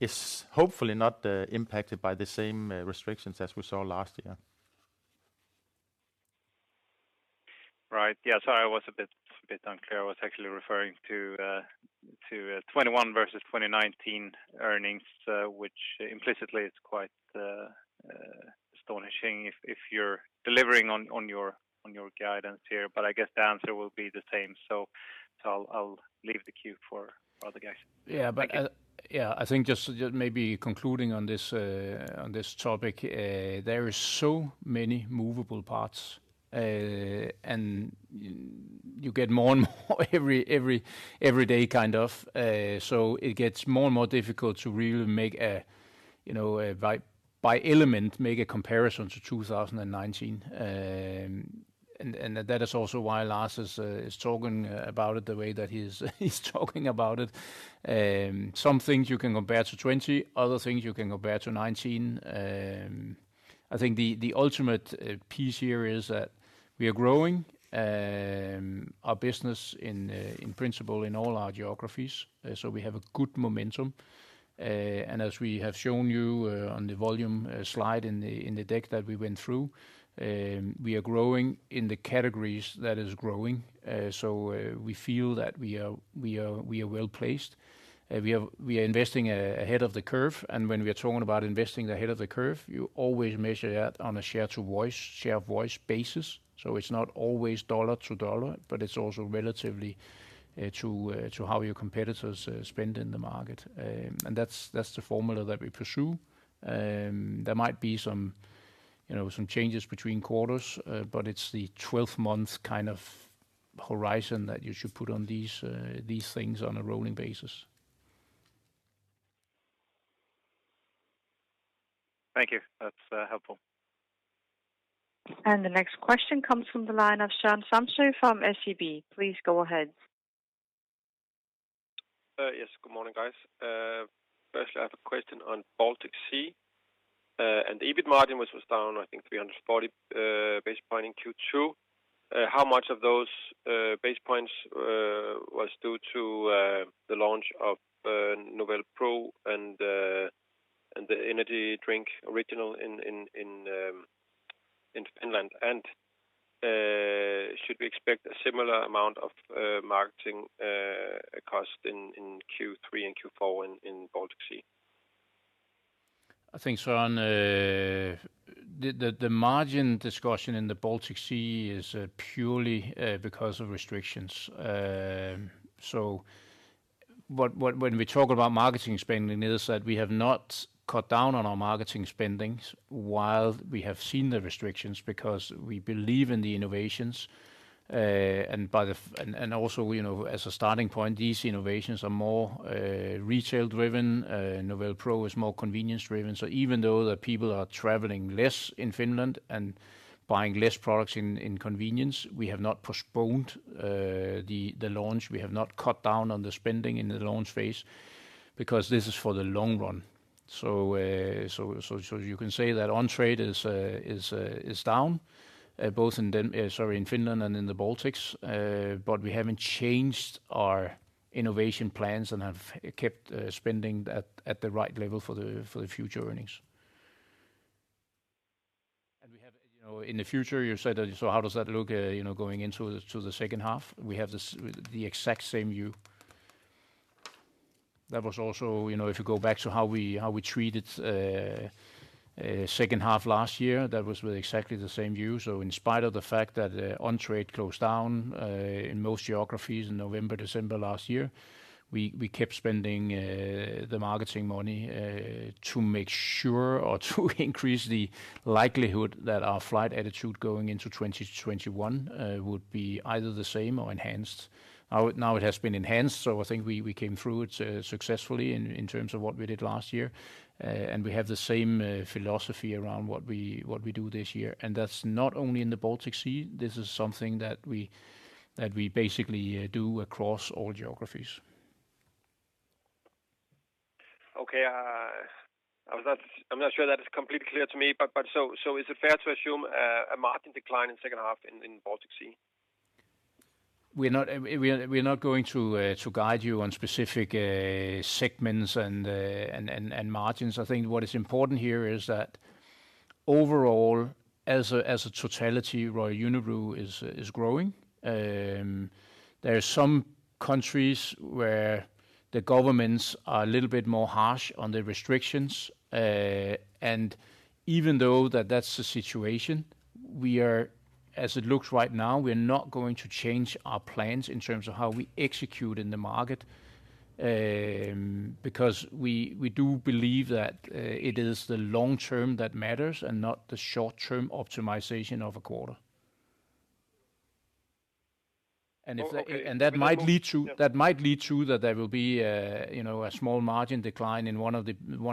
is hopefully not impacted by the same restrictions as we saw last year. Right. Yeah, sorry, I was a bit unclear. I was actually referring to 2021 versus 2019 earnings, which implicitly is quite astonishing if you're delivering on your guidance here. I guess the answer will be the same, so I'll leave the queue for other guys. Thank you. I think just maybe concluding on this topic, there is so many movable parts, and you get more and more every day kind of. It gets more and more difficult to really, by element, make a comparison to 2019. That is also why Lars is talking about it the way that he's talking about it. Some things you can compare to 2020, other things you can compare to 2019. I think the ultimate piece here is that we are growing our business in principle in all our geographies. We have a good momentum. As we have shown you on the volume slide in the deck that we went through, we are growing in the categories that is growing. We feel that we are well-placed. We are investing ahead of the curve, and when we are talking about investing ahead of the curve, you always measure that on a share of voice basis. It's not always dollar to dollar, but it's also relatively to how your competitors spend in the market. That's the formula that we pursue. There might be some changes between quarters, but it's the 12-month kind of horizon that you should put on these things on a rolling basis. Thank you. That's helpful. The next question comes from the line of Søren Samsøe from SEB. Please go ahead. Yes. Good morning, guys. Firstly, I have a question on Baltic Sea, the EBIT margin, which was down, I think 340 basis points in Q2. How much of those basis points was due to the launch of Novelle Pro and the energy drink Original in Finland? Should we expect a similar amount of marketing cost in Q3 and Q4 in Baltic Sea? I think, Søren, the margin discussion in the Baltic Sea is purely because of restrictions. When we talk about marketing spendings, it is that we have not cut down on our marketing spendings while we have seen the restrictions because we believe in the innovations. Also, as a starting point, these innovations are more retail driven. Novelle Pro is more convenience driven. Even though the people are traveling less in Finland and buying less products in convenience, we have not postponed the launch. We have not cut down on the spending in the launch phase because this is for the long run. You can say that on-trade is down both in Finland and in the Baltics. We haven't changed our innovation plans and have kept spending at the right level for the future earnings. We have in the future, you said that, how does that look going into the second half? We have the exact same view. That was also if you go back to how we treated second half last year, that was with exactly the same view. In spite of the fact that on-trade closed down in most geographies in November, December last year, we kept spending the marketing money to make sure or to increase the likelihood that our flight attitude going into 2021 would be either the same or enhanced. Now it has been enhanced, I think we came through it successfully in terms of what we did last year. We have the same philosophy around what we do this year. That's not only in the Baltic Sea. This is something that we basically do across all geographies. Okay. I'm not sure that is completely clear to me. Is it fair to assume a margin decline in second half in Baltic Sea? We're not going to guide you on specific segments and margins. I think what is important here is that overall, as a totality, Royal Unibrew is growing. There are some countries where the governments are a little bit more harsh on the restrictions. Even though that that's the situation, as it looks right now, we're not going to change our plans in terms of how we execute in the market. Because we do believe that it is the long term that matters and not the short-term optimization of a quarter. Okay. That might lead to that there will be a small margin decline in one of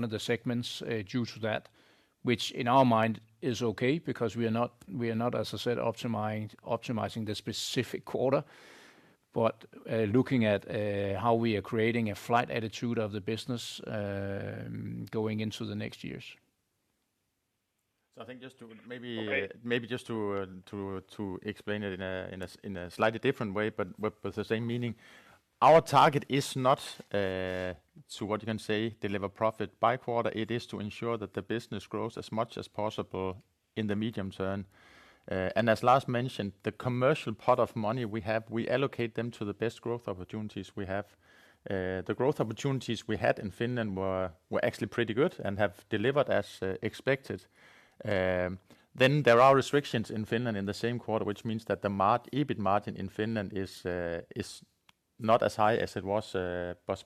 the segments due to that, which in our mind is okay because we are not, as I said, optimizing the specific quarter, but looking at how we are creating a flight attitude of the business going into the next years. I think maybe just to explain it in a slightly different way, but with the same meaning. Our target is not to, what you can say, deliver profit by quarter, it is to ensure that the business grows as much as possible in the medium term. As Lars mentioned, the commercial pot of money we have, we allocate them to the best growth opportunities we have. The growth opportunities we had in Finland were actually pretty good and have delivered as expected. There are restrictions in Finland in the same quarter, which means that the EBIT margin in Finland is not as high as it was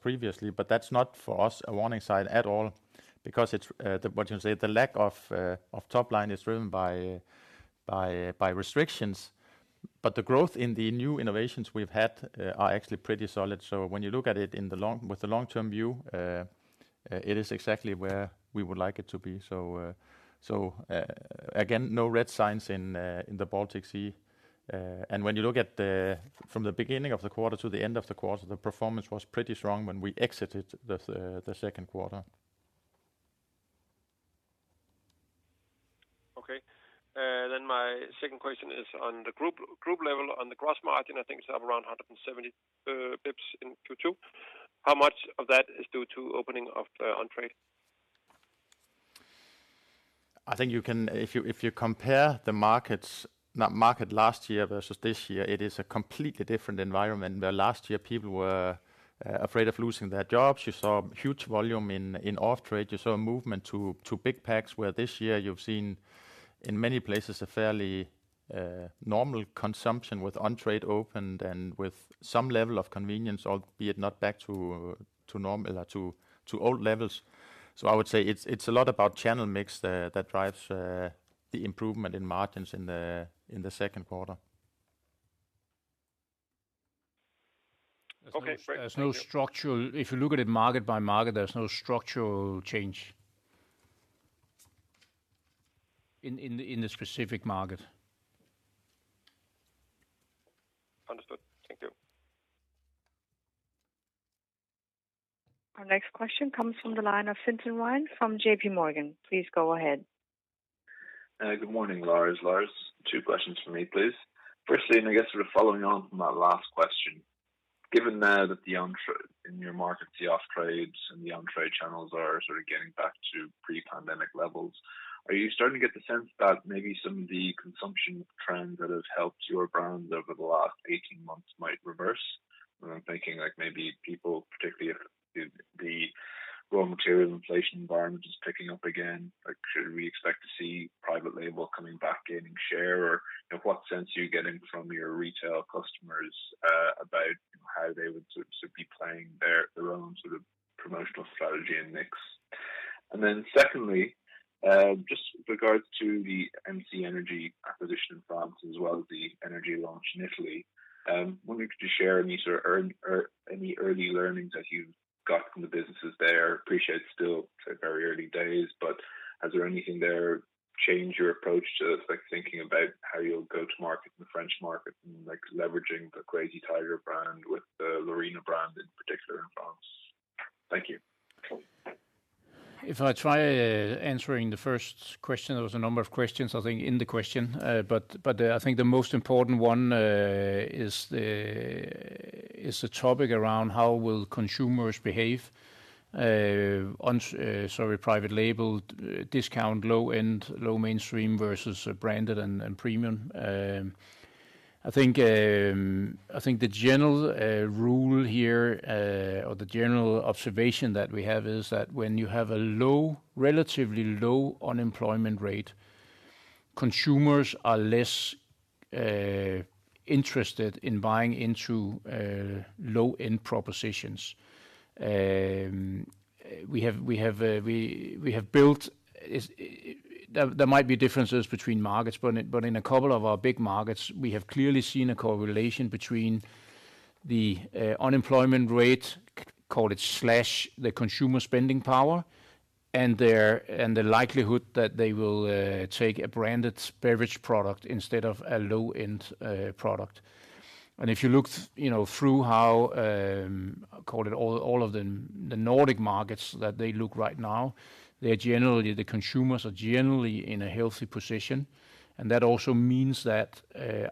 previously, but that's not for us a warning sign at all because it's, what you can say, the lack of top line is driven by restrictions. The growth in the new innovations we've had are actually pretty solid. When you look at it with the long-term view, it is exactly where we would like it to be. Again, no red signs in the Baltic Sea. When you look at from the beginning of the quarter to the end of the quarter, the performance was pretty strong when we exited the second quarter. Okay. My second question is on the group level, on the gross margin, I think it's up around 170 basis points in Q2. How much of that is due to opening of on-trade? I think if you compare the markets, not market last year versus this year, it is a completely different environment. Last year people were afraid of losing their jobs. You saw huge volume in off-trade. You saw a movement to big packs, this year you've seen in many places a fairly normal consumption with on-trade opened and with some level of convenience, albeit not back to old levels. I would say it's a lot about channel mix that drives the improvement in margins in the second quarter. Okay, great. Thank you. If you look at it market by market, there's no structural change in the specific market. Understood. Thank you. Our next question comes from the line of Fintan Ryan from JPMorgan. Please go ahead. Good morning, Lars. Lars, two questions from me, please. Firstly, and I guess sort of following on from that last question, given now that in your markets, the off-trades and the on-trade channels are sort of getting back to pre-pandemic levels, are you starting to get the sense that maybe some of the consumption trends that have helped your brands over the last 18 months might reverse? I'm thinking like maybe people, particularly if the raw material inflation environment is picking up again, should we expect to see private label coming back in and share? What sense are you getting from your retail customers about how they would sort of be playing their own sort of promotional strategy and mix? Then secondly, just with regards to the MC Energy acquisition in France as well as the energy launch in Italy, wondering if you could share any early learnings that you've got from the businesses there. Appreciate it's still very early days, but has there anything there changed your approach to thinking about how you'll go to market in the French market and leveraging the Crazy Tiger brand with the Lorina brand in particular in France? Thank you. If I try answering the first question, there was a number of questions, I think, in the question. I think the most important one is the topic around how will consumers behave on, sorry, private label discount, low end, low mainstream versus branded and premium. I think the general rule here or the general observation that we have is that when you have a relatively low unemployment rate, consumers are less interested in buying into low-end propositions. There might be differences between markets, but in a couple of our big markets, we have clearly seen a correlation between the unemployment rate, call it slash the consumer spending power, and the likelihood that they will take a branded beverage product instead of a low-end product. If you looked through how, call it all of the Nordic markets that they look right now, the consumers are generally in a healthy position. That also means that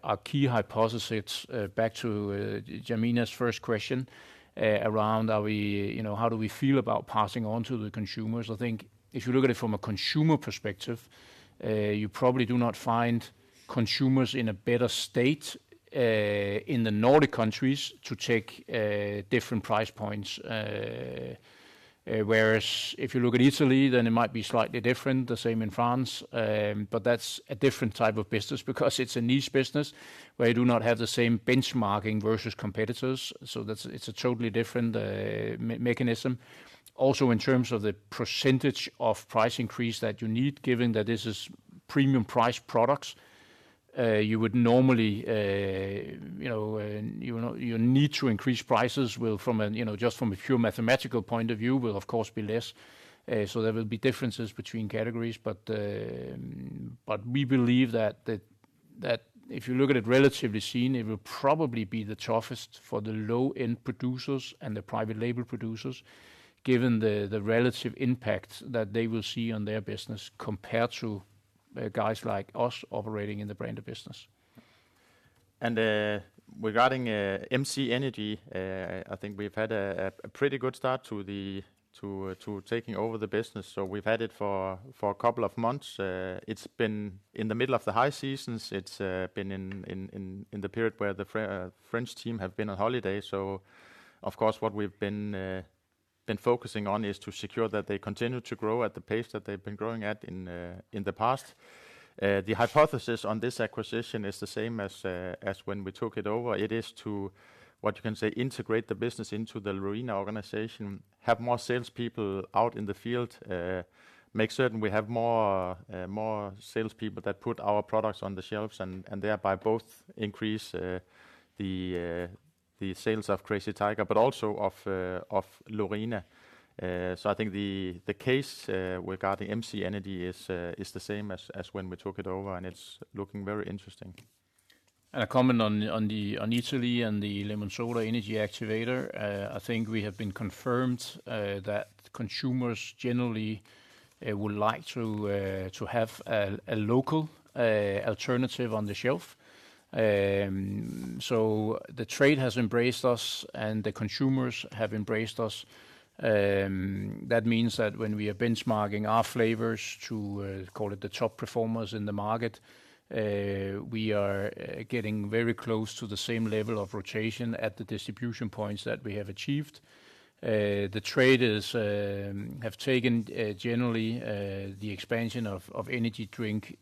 our key hypothesis, back to Jemima's first question, around how do we feel about passing on to the consumers. I think if you look at it from a consumer perspective, you probably do not find consumers in a better state in the Nordic countries to take different price points. If you look at Italy, then it might be slightly different, the same in France. That's a different type of business because it's a niche business where you do not have the same benchmarking versus competitors. It's a totally different mechanism. In terms of the percentage of price increase that you need, given that this is premium price products, your need to increase prices just from a pure mathematical point of view will of course be less. We believe that if you look at it relatively seen, it will probably be the toughest for the low-end producers and the private label producers, given the relative impact that they will see on their business compared to guys like us operating in the branded business. Regarding MC Energy, I think we've had a pretty good start to taking over the business. We've had it for a couple of months. It's been in the middle of the high seasons. It's been in the period where the French team have been on holiday. Of course, what we've been focusing on is to secure that they continue to grow at the pace that they've been growing at in the past. The hypothesis on this acquisition is the same as when we took it over. It is to, what you can say, integrate the business into the Lorina organization, have more salespeople out in the field, make certain we have more salespeople that put our products on the shelves, and thereby both increase the sales of Crazy Tiger, but also of Lorina. I think the case regarding MC ENERGY is the same as when we took it over, and it's looking very interesting. A comment on Italy and the Lemonsoda Energy Activator. I think we have been confirmed that consumers generally would like to have a local alternative on the shelf. The trade has embraced us, and the consumers have embraced us. That means that when we are benchmarking our flavors to, call it the top performers in the market, we are getting very close to the same level of rotation at the distribution points that we have achieved. The traders have taken generally the expansion of energy drink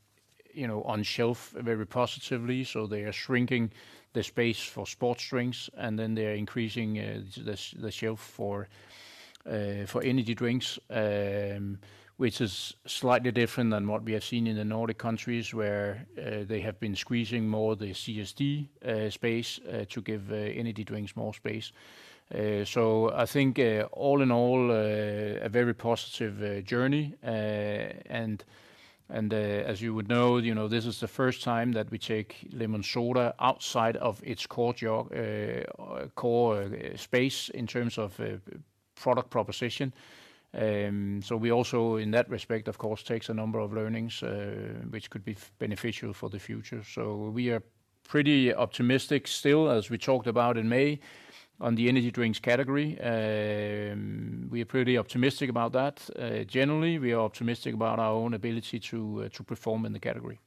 on shelf very positively. They are shrinking the space for sports drinks, and then they're increasing the shelf for energy drinks, which is slightly different than what we have seen in the Nordic region, where they have been squeezing more the CSD space to give energy drinks more space. I think all in all, a very positive journey, as you would know, this is the first time that we take Lemonsoda outside of its core space in terms of product proposition. We also, in that respect, of course, take a number of learnings which could be beneficial for the future. We are pretty optimistic still, as we talked about in May, on the energy drinks category. We are pretty optimistic about that. Generally, we are optimistic about our own ability to perform in the category.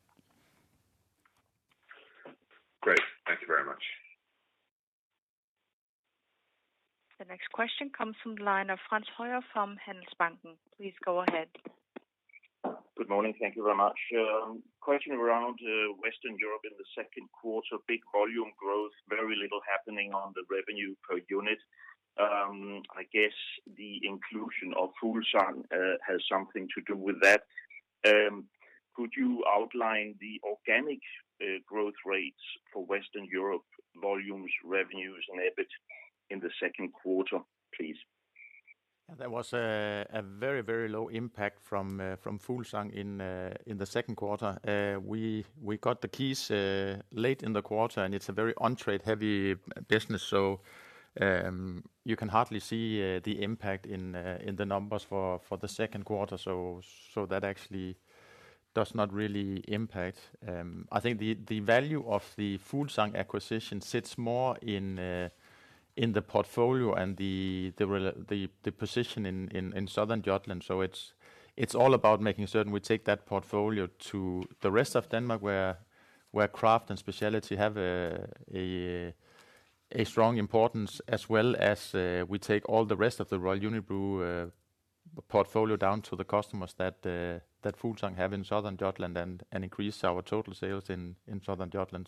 Great. Thank you very much. The next question comes from the line of Frans Hoyer from Handelsbanken. Please go ahead. Good morning. Thank you very much. Question around Western Europe in the second quarter. Big volume growth, very little happening on the revenue per unit. I guess the inclusion of Fuglsang has something to do with that. Could you outline the organic growth rates for Western Europe volumes, revenues, and EBIT in the second quarter, please? There was a very low impact from Fuglsang in the second quarter. We got the keys late in the quarter, and it's a very on-trade heavy business, so you can hardly see the impact in the numbers for the second quarter. That actually does not really impact. I think the value of the Fuglsang acquisition sits more in the portfolio and the position in Southern Jutland. It's all about making certain we take that portfolio to the rest of Denmark, where craft and specialty have a strong importance as well as we take all the rest of the Royal Unibrew portfolio down to the customers that Fuglsang have in Southern Jutland and increase our total sales in Southern Jutland.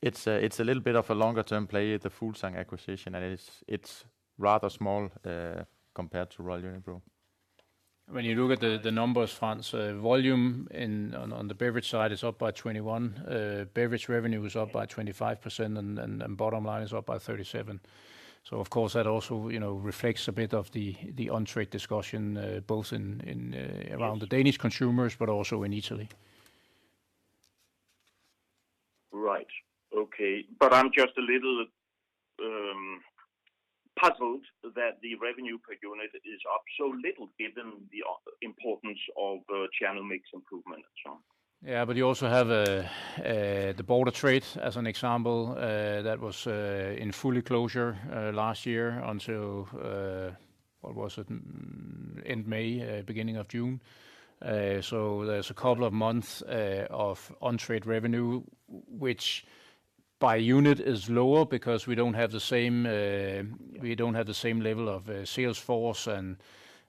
It's a little bit of a longer-term play at the Fuglsang acquisition, and it's rather small compared to Royal Unibrew. When you look at the numbers, Frans, volume on the beverage side is up by 21%. Beverage revenue is up by 25%, and bottom line is up by 37%. Of course, that also reflects a bit of the on-trade discussion both around the Danish consumers but also in Italy. Right. Okay. I'm just a little puzzled that the revenue per unit is up so little given the importance of channel mix improvement as well. You also have the border trade as an example that was in full closure last year until, what was it? End May, beginning of June. There's a couple of months of on-trade revenue, which by unit is lower because we don't have the same level of sales force and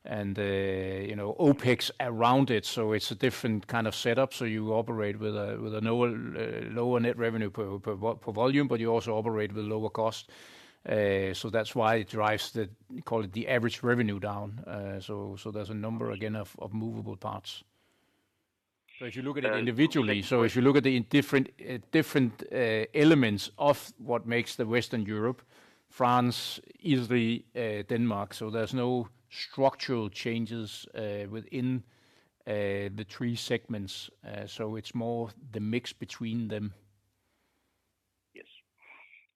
OPEX around it. It's a different kind of setup. You operate with a lower net revenue per volume, but you also operate with lower cost. That's why it drives the, call it the average revenue down. There's a number again of movable parts. If you look at it individually, if you look at the different elements of what makes the Western Europe, France, Italy, Denmark, there's no structural changes within the three segments. It's more the mix between them. Yes.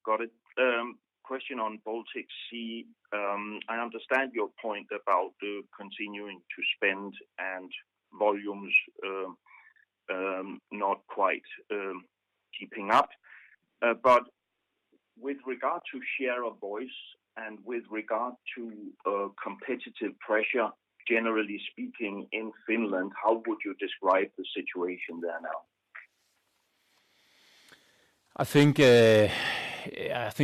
Got it. Question on Baltic Sea. I understand your point about continuing to spend and volumes not quite keeping up. With regard to share of voice and with regard to competitive pressure, generally speaking, in Finland, how would you describe the situation there now? I think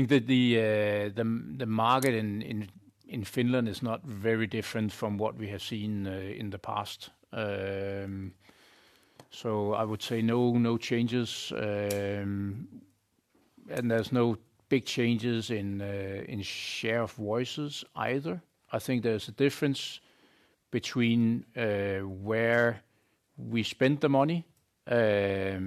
that the market in Finland is not very different from what we have seen in the past. I would say no changes, and there's no big changes in share of voices either. I think there's a difference between where we spend the money. I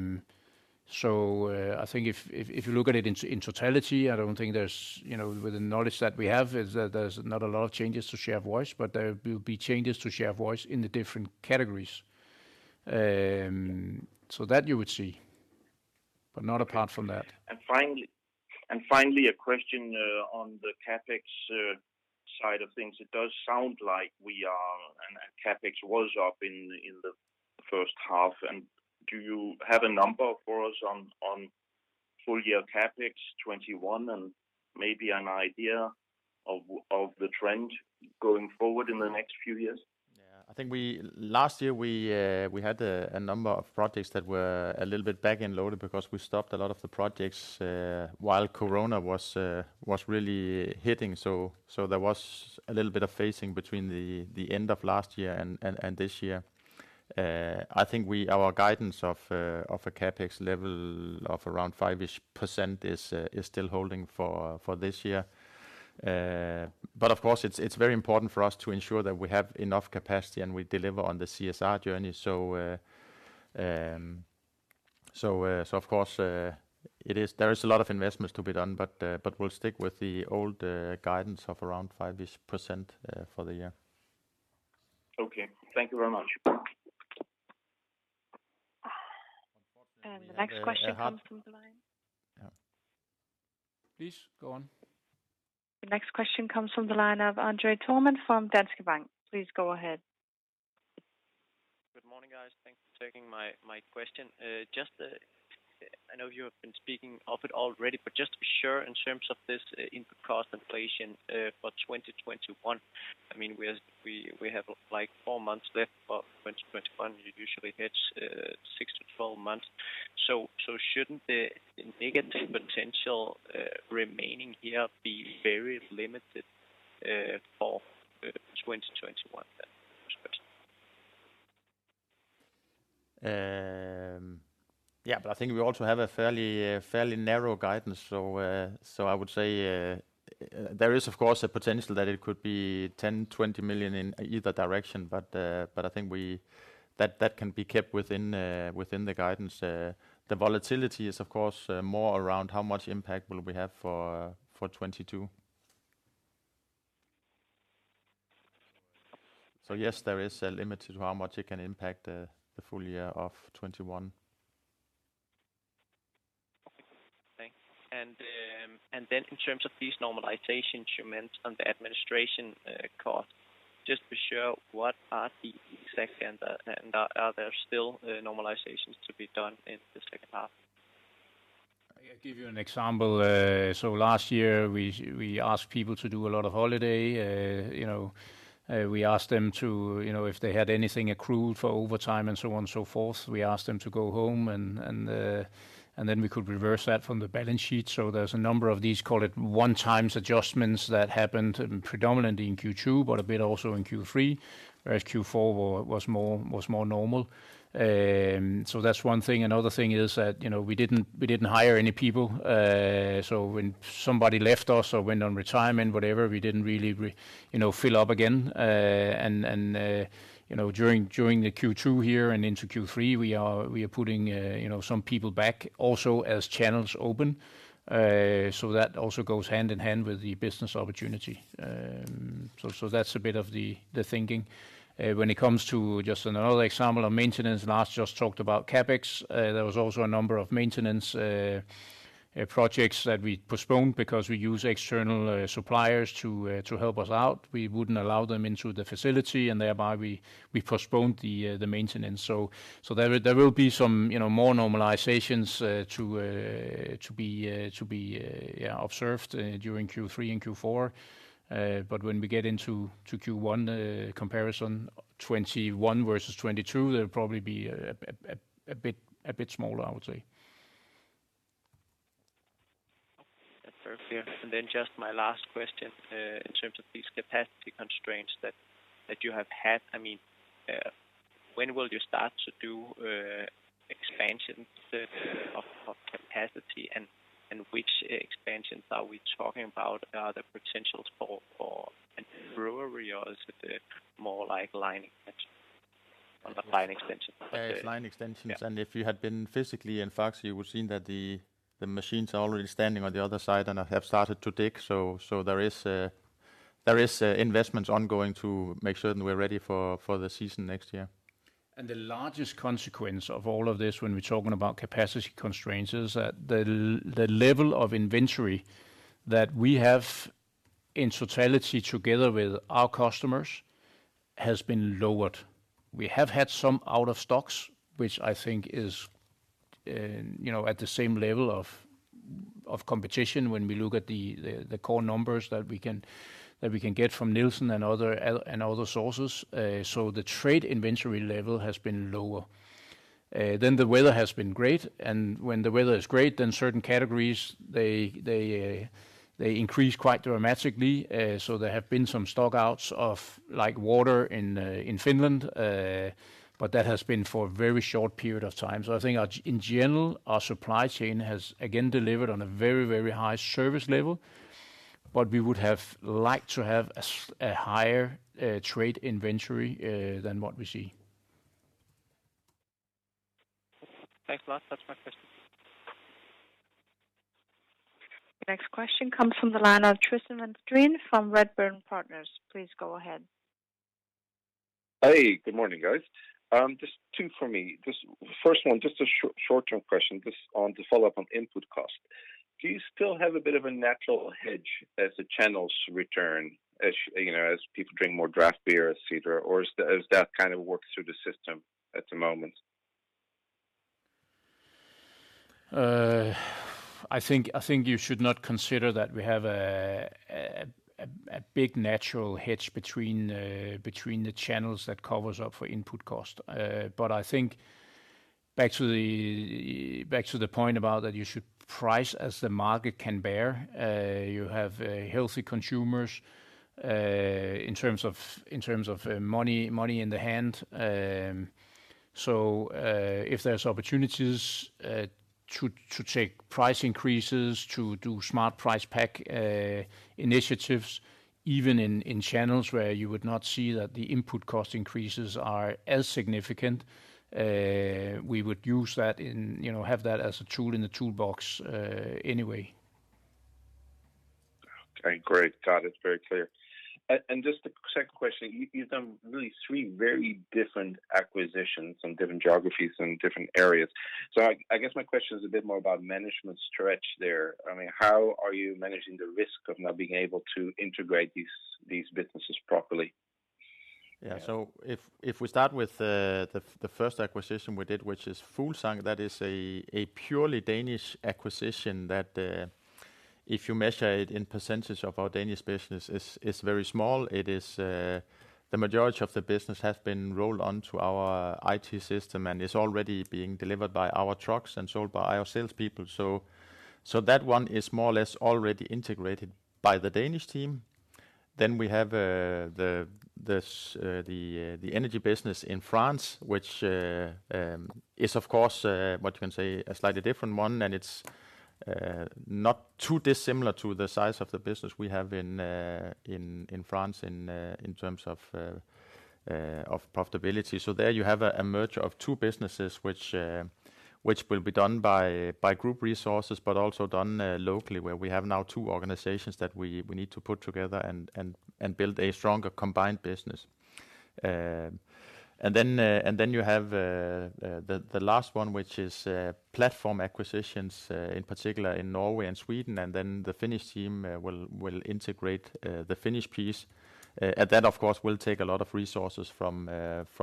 think if you look at it in totality, I don't think there's, with the knowledge that we have, is that there's not a lot of changes to share voice, but there will be changes to share voice in the different categories. That you would see, but not apart from that. Finally, a question on the CapEx side of things. It does sound like CapEx was up in the first half. Do you have a number for us on full-year CapEx 2021 and maybe an idea of the trend going forward in the next few years? Yeah. I think last year we had a number of projects that were a little bit back-end loaded because we stopped a lot of the projects, while corona was really hitting. There was a little bit of phasing between the end of last year and this year. I think our guidance of a CapEx level of around 5% is still holding for this year. Of course, it's very important for us to ensure that we have enough capacity and we deliver on the CSR journey. Of course, there is a lot of investments to be done, but we'll stick with the old guidance of around 5% for the year. Okay. Thank you very much. The next question comes from the line. Please go on. The next question comes from the line of André Thormann from Danske Bank. Please go ahead. Good morning, guys. Thanks for taking my question. I know you have been speaking of it already, just to be sure, in terms of this input cost inflation, for 2021, we have four months left for 2021. It usually hits 6-12 months. Shouldn't the negative potential remaining here be very limited for 2021 then? That's the first question. I think we also have a fairly narrow guidance. I would say, there is, of course, a potential that it could be 10 million-20 million in either direction, but I think that can be kept within the guidance. The volatility is, of course, more around how much impact will we have for 2022. Yes, there is a limit to how much it can impact the full year of 2021. Okay. Thanks. Then in terms of these normalization you meant on the administration cost, just to be sure, what are the exact, and are there still normalizations to be done in the second half? I'll give you an example. Last year, we asked people to do a lot of holiday. We asked them to, if they had anything accrued for overtime and so on and so forth, we asked them to go home, and then we could reverse that from the balance sheet. There's a number of these, call it 1x adjustments that happened predominantly in Q2, but a bit also in Q3. Whereas Q4 was more normal. That's one thing. Another thing is that, we didn't hire any people. When somebody left us or went on retirement, whatever, we didn't really fill up again. During the Q2 here and into Q3, we are putting some people back also as channels open. That also goes hand in hand with the business opportunity. That's a bit of the thinking. When it comes to just another example of maintenance, Lars just talked about CapEx. There was also a number of maintenance projects that we postponed because we use external suppliers to help us out. We wouldn't allow them into the facility, and thereby we postponed the maintenance. There will be some more normalizations to be observed during Q3 and Q4. When we get into Q1 comparison, 2021 versus 2022, they'll probably be a bit smaller, I would say. That's very clear. Just my last question, in terms of these capacity constraints that you have had, when will you start to do of capacity and which expansions are we talking about? Are there potentials for a brewery or is it more like line extension? Yes, line extensions. Yeah. If you had been physically in Faxe, you would've seen that the machines are already standing on the other side, and have started to dig. There is investments ongoing to make certain we're ready for the season next year. The largest consequence of all of this when we're talking about capacity constraints, is that the level of inventory that we have in totality together with our customers has been lowered. We have had some out of stocks, which I think is at the same level of competition when we look at the core numbers that we can get from Nielsen and other sources. The trade inventory level has been lower. The weather has been great, and when the weather is great, then certain categories, they increase quite dramatically. There have been some stock-outs of water in Finland, but that has been for a very short period of time. I think in general, our supply chain has again delivered on a very, very high service level, but we would have liked to have a higher trade inventory, than what we see. Thanks a lot. That's my question. The next question comes from the line of Tristan van Strien from Redburn Partners. Please go ahead. Hey, good morning, guys. Just two for me. The first one, just a short-term question, just to follow up on input cost. Do you still have a bit of a natural hedge as the channels return, as people drink more draft beer, et cetera, or is that kind of worked through the system at the moment? I think you should not consider that we have a big natural hedge between the channels that covers up for input cost. I think back to the point about that you should price as the market can bear. You have healthy consumers, in terms of money in the hand. If there's opportunities to take price increases, to do smart price pack initiatives, even in channels where you would not see that the input cost increases are as significant, we would use that and have that as a tool in the toolbox anyway. Okay, great. Got it. It's very clear. Just the second question, you've done really three very different acquisitions in different geographies and different areas. I guess my question is a bit more about management stretch there. How are you managing the risk of not being able to integrate these businesses properly? If we start with the first acquisition we did, which is Fuglsang, that is a purely Danish acquisition that, if you measure it in percentage of our Danish business, is very small. The majority of the business has been rolled onto our IT system and is already being delivered by our trucks and sold by our salespeople. That one is more or less already integrated by the Danish team. We have the energy business in France, which is of course, what you can say, a slightly different one, and it's not too dissimilar to the size of the business we have in France in terms of profitability. There you have a merger of two businesses, which will be done by group resources, but also done locally where we have now two organizations that we need to put together and build a stronger combined business. Then you have the last one, which is platform acquisitions, in particular in Norway and Sweden, and then the Finnish team will integrate the Finnish piece. That, of course, will take a lot of resources from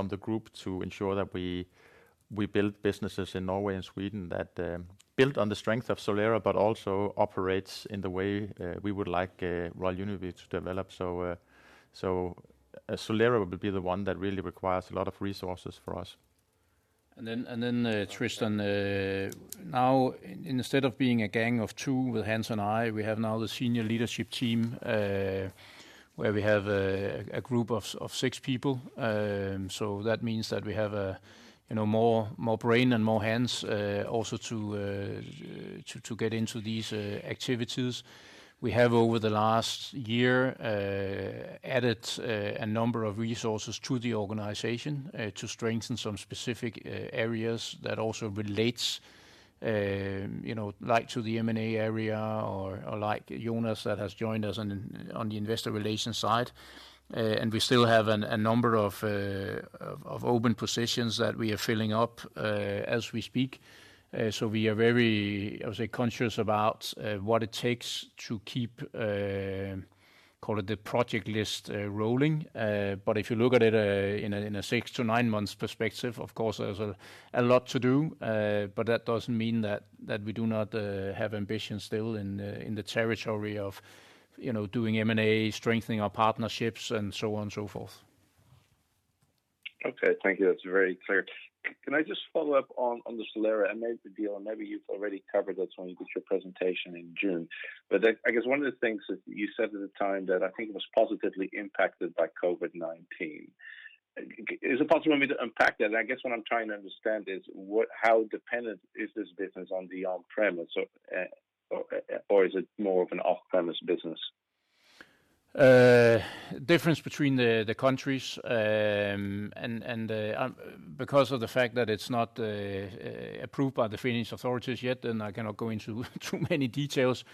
the group to ensure that we build businesses in Norway and Sweden that build on the strength of Solera but also operates in the way we would like Royal Unibrew to develop. Solera will be the one that really requires a lot of resources for us. Tristan van Strien, now instead of being a gang of two with Hans and I, we have now the senior leadership team, where we have a group of six people. That means that we have more brain and more hands, also to get into these activities. We have over the last year, added a number of resources to the organization to strengthen some specific areas that also relates to the M&A area or like Jonas Guldborg Hansen that has joined us on the investor relations side. We still have a number of open positions that we are filling up, as we speak. We are very conscious about what it takes to keep the project list rolling. If you look at it in a 6-9 months perspective, of course there's a lot to do. That doesn't mean that we do not have ambitions still in the territory of doing M&A, strengthening our partnerships, and so on and so forth. Okay. Thank you. That's very clear. Can I just follow up on the Solera and maybe the deal, and maybe you've already covered this when you did your presentation in June. I guess one of the things that you said at the time that I think it was positively impacted by COVID-19. Is it possible for me to unpack that? I guess what I'm trying to understand is how dependent is this business on the on-premise, or is it more of an off-premise business? Difference between the countries, and because of the fact that it's not approved by the Finnish authorities yet, and I cannot go into too many details.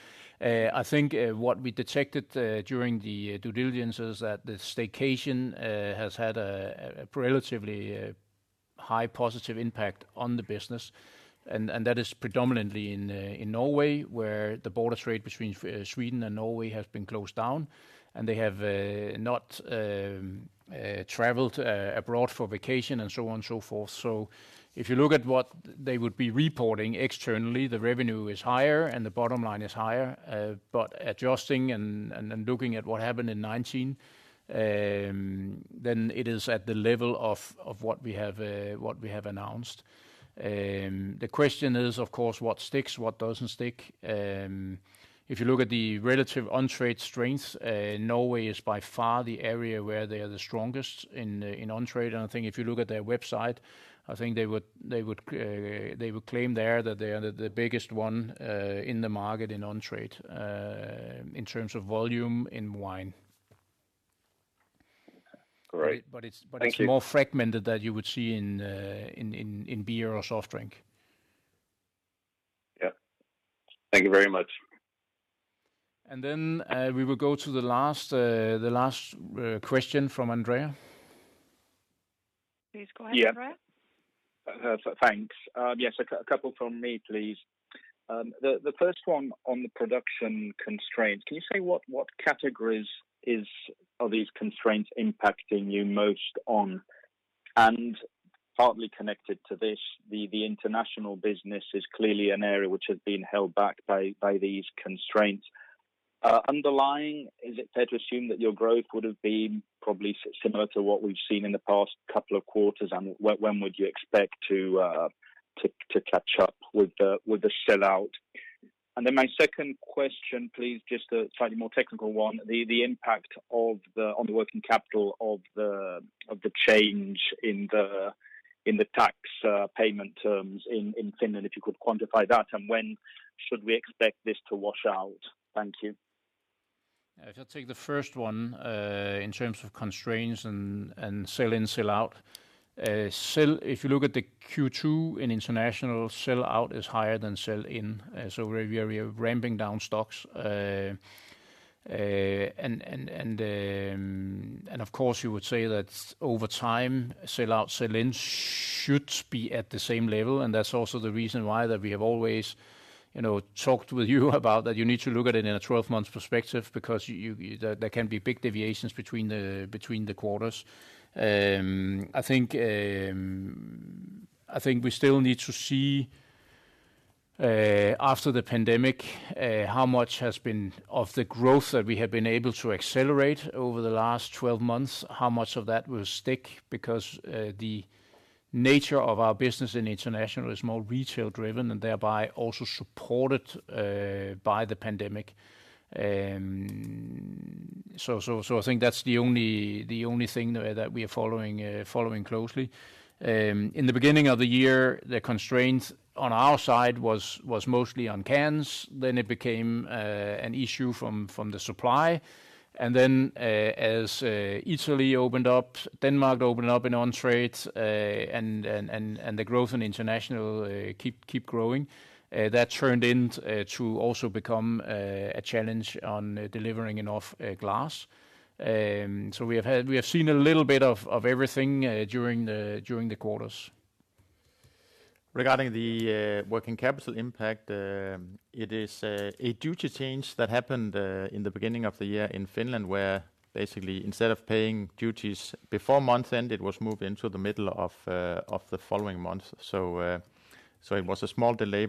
I think what we detected during the due diligence is that the staycation has had a relatively high positive impact on the business, and that is predominantly in Norway, where the border trade between Sweden and Norway has been closed down, and they have not traveled abroad for vacation, and so on and so forth. If you look at what they would be reporting externally, the revenue is higher and the bottom line is higher. Adjusting and looking at what happened in 2019, then it is at the level of what we have announced. The question is, of course, what sticks, what doesn't stick. If you look at the relative on-trade strengths, Norway is by far the area where they are the strongest in on-trade. I think if you look at their website, I think they would claim there that they are the biggest one in the market in on-trade, in terms of volume in wine. Great. Thank you. It's more fragmented that you would see in beer or soft drink. Yeah. Thank you very much. We will go to the last question from Andrea. Please go ahead, Andrea. Yeah. Thanks. Yes, a couple from me, please. The 1st one on the production constraints, can you say what categories are these constraints impacting you most on? Partly connected to this, the international business is clearly an area which has been held back by these constraints. Underlying, is it fair to assume that your growth would have been probably similar to what we've seen in the past couple of quarters? When would you expect to catch up with the sell-out? My second question, please, just a slightly more technical one, the impact on the working capital of the change in the tax payment terms in Finland, if you could quantify that, and when should we expect this to wash out? Thank you. I take the first one, in terms of constraints and sell in, sell out. You look at the Q2 in international, sell out is higher than sell in. We're ramping down stocks. Of course, you would say that over time, sell out, sell in should be at the same level, and that's also the reason why that we have always talked with you about that you need to look at it in a 12-month perspective because there can be big deviations between the quarters. I think we still need to see after the pandemic, how much has been of the growth that we have been able to accelerate over the last 12 months, how much of that will stick, because the nature of our business in international is more retail-driven and thereby also supported by the pandemic. I think that's the only thing that we are following closely. In the beginning of the year, the constraints on our side was mostly on cans, then it became an issue from the supply, and then as Italy opened up, Denmark opened up in on-trade, and the growth in international keep growing, that turned in to also become a challenge on delivering enough glass. We have seen a little bit of everything during the quarters. Regarding the working capital impact, it is a duty change that happened in the beginning of the year in Finland where basically instead of paying duties before month end, it was moved into the middle of the following month. It was a small delay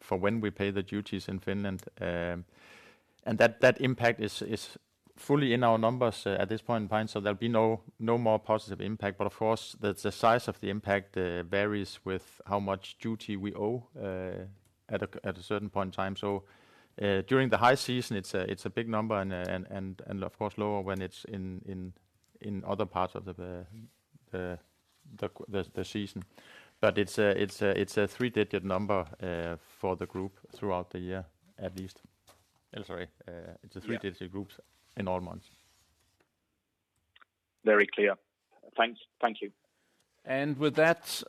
for when we pay the duties in Finland. That impact is fully in our numbers at this point in time. There'll be no more positive impact. Of course, the size of the impact varies with how much duty we owe at a certain point in time. During the high season, it's a big number, and of course, lower when it's in other parts of the season. It's a three-digit number for the group throughout the year, at least. I'm sorry, it's a three-digit group in all months. Very clear. Thank you. With that,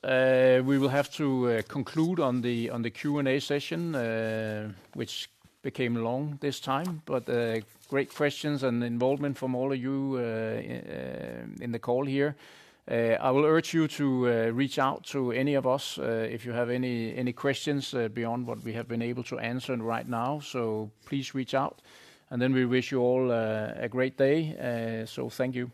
we will have to conclude on the Q&A session, which became long this time. Great questions and involvement from all of you in the call here. I will urge you to reach out to any of us if you have any questions beyond what we have been able to answer right now. Please reach out. Then we wish you all a great day. Thank you.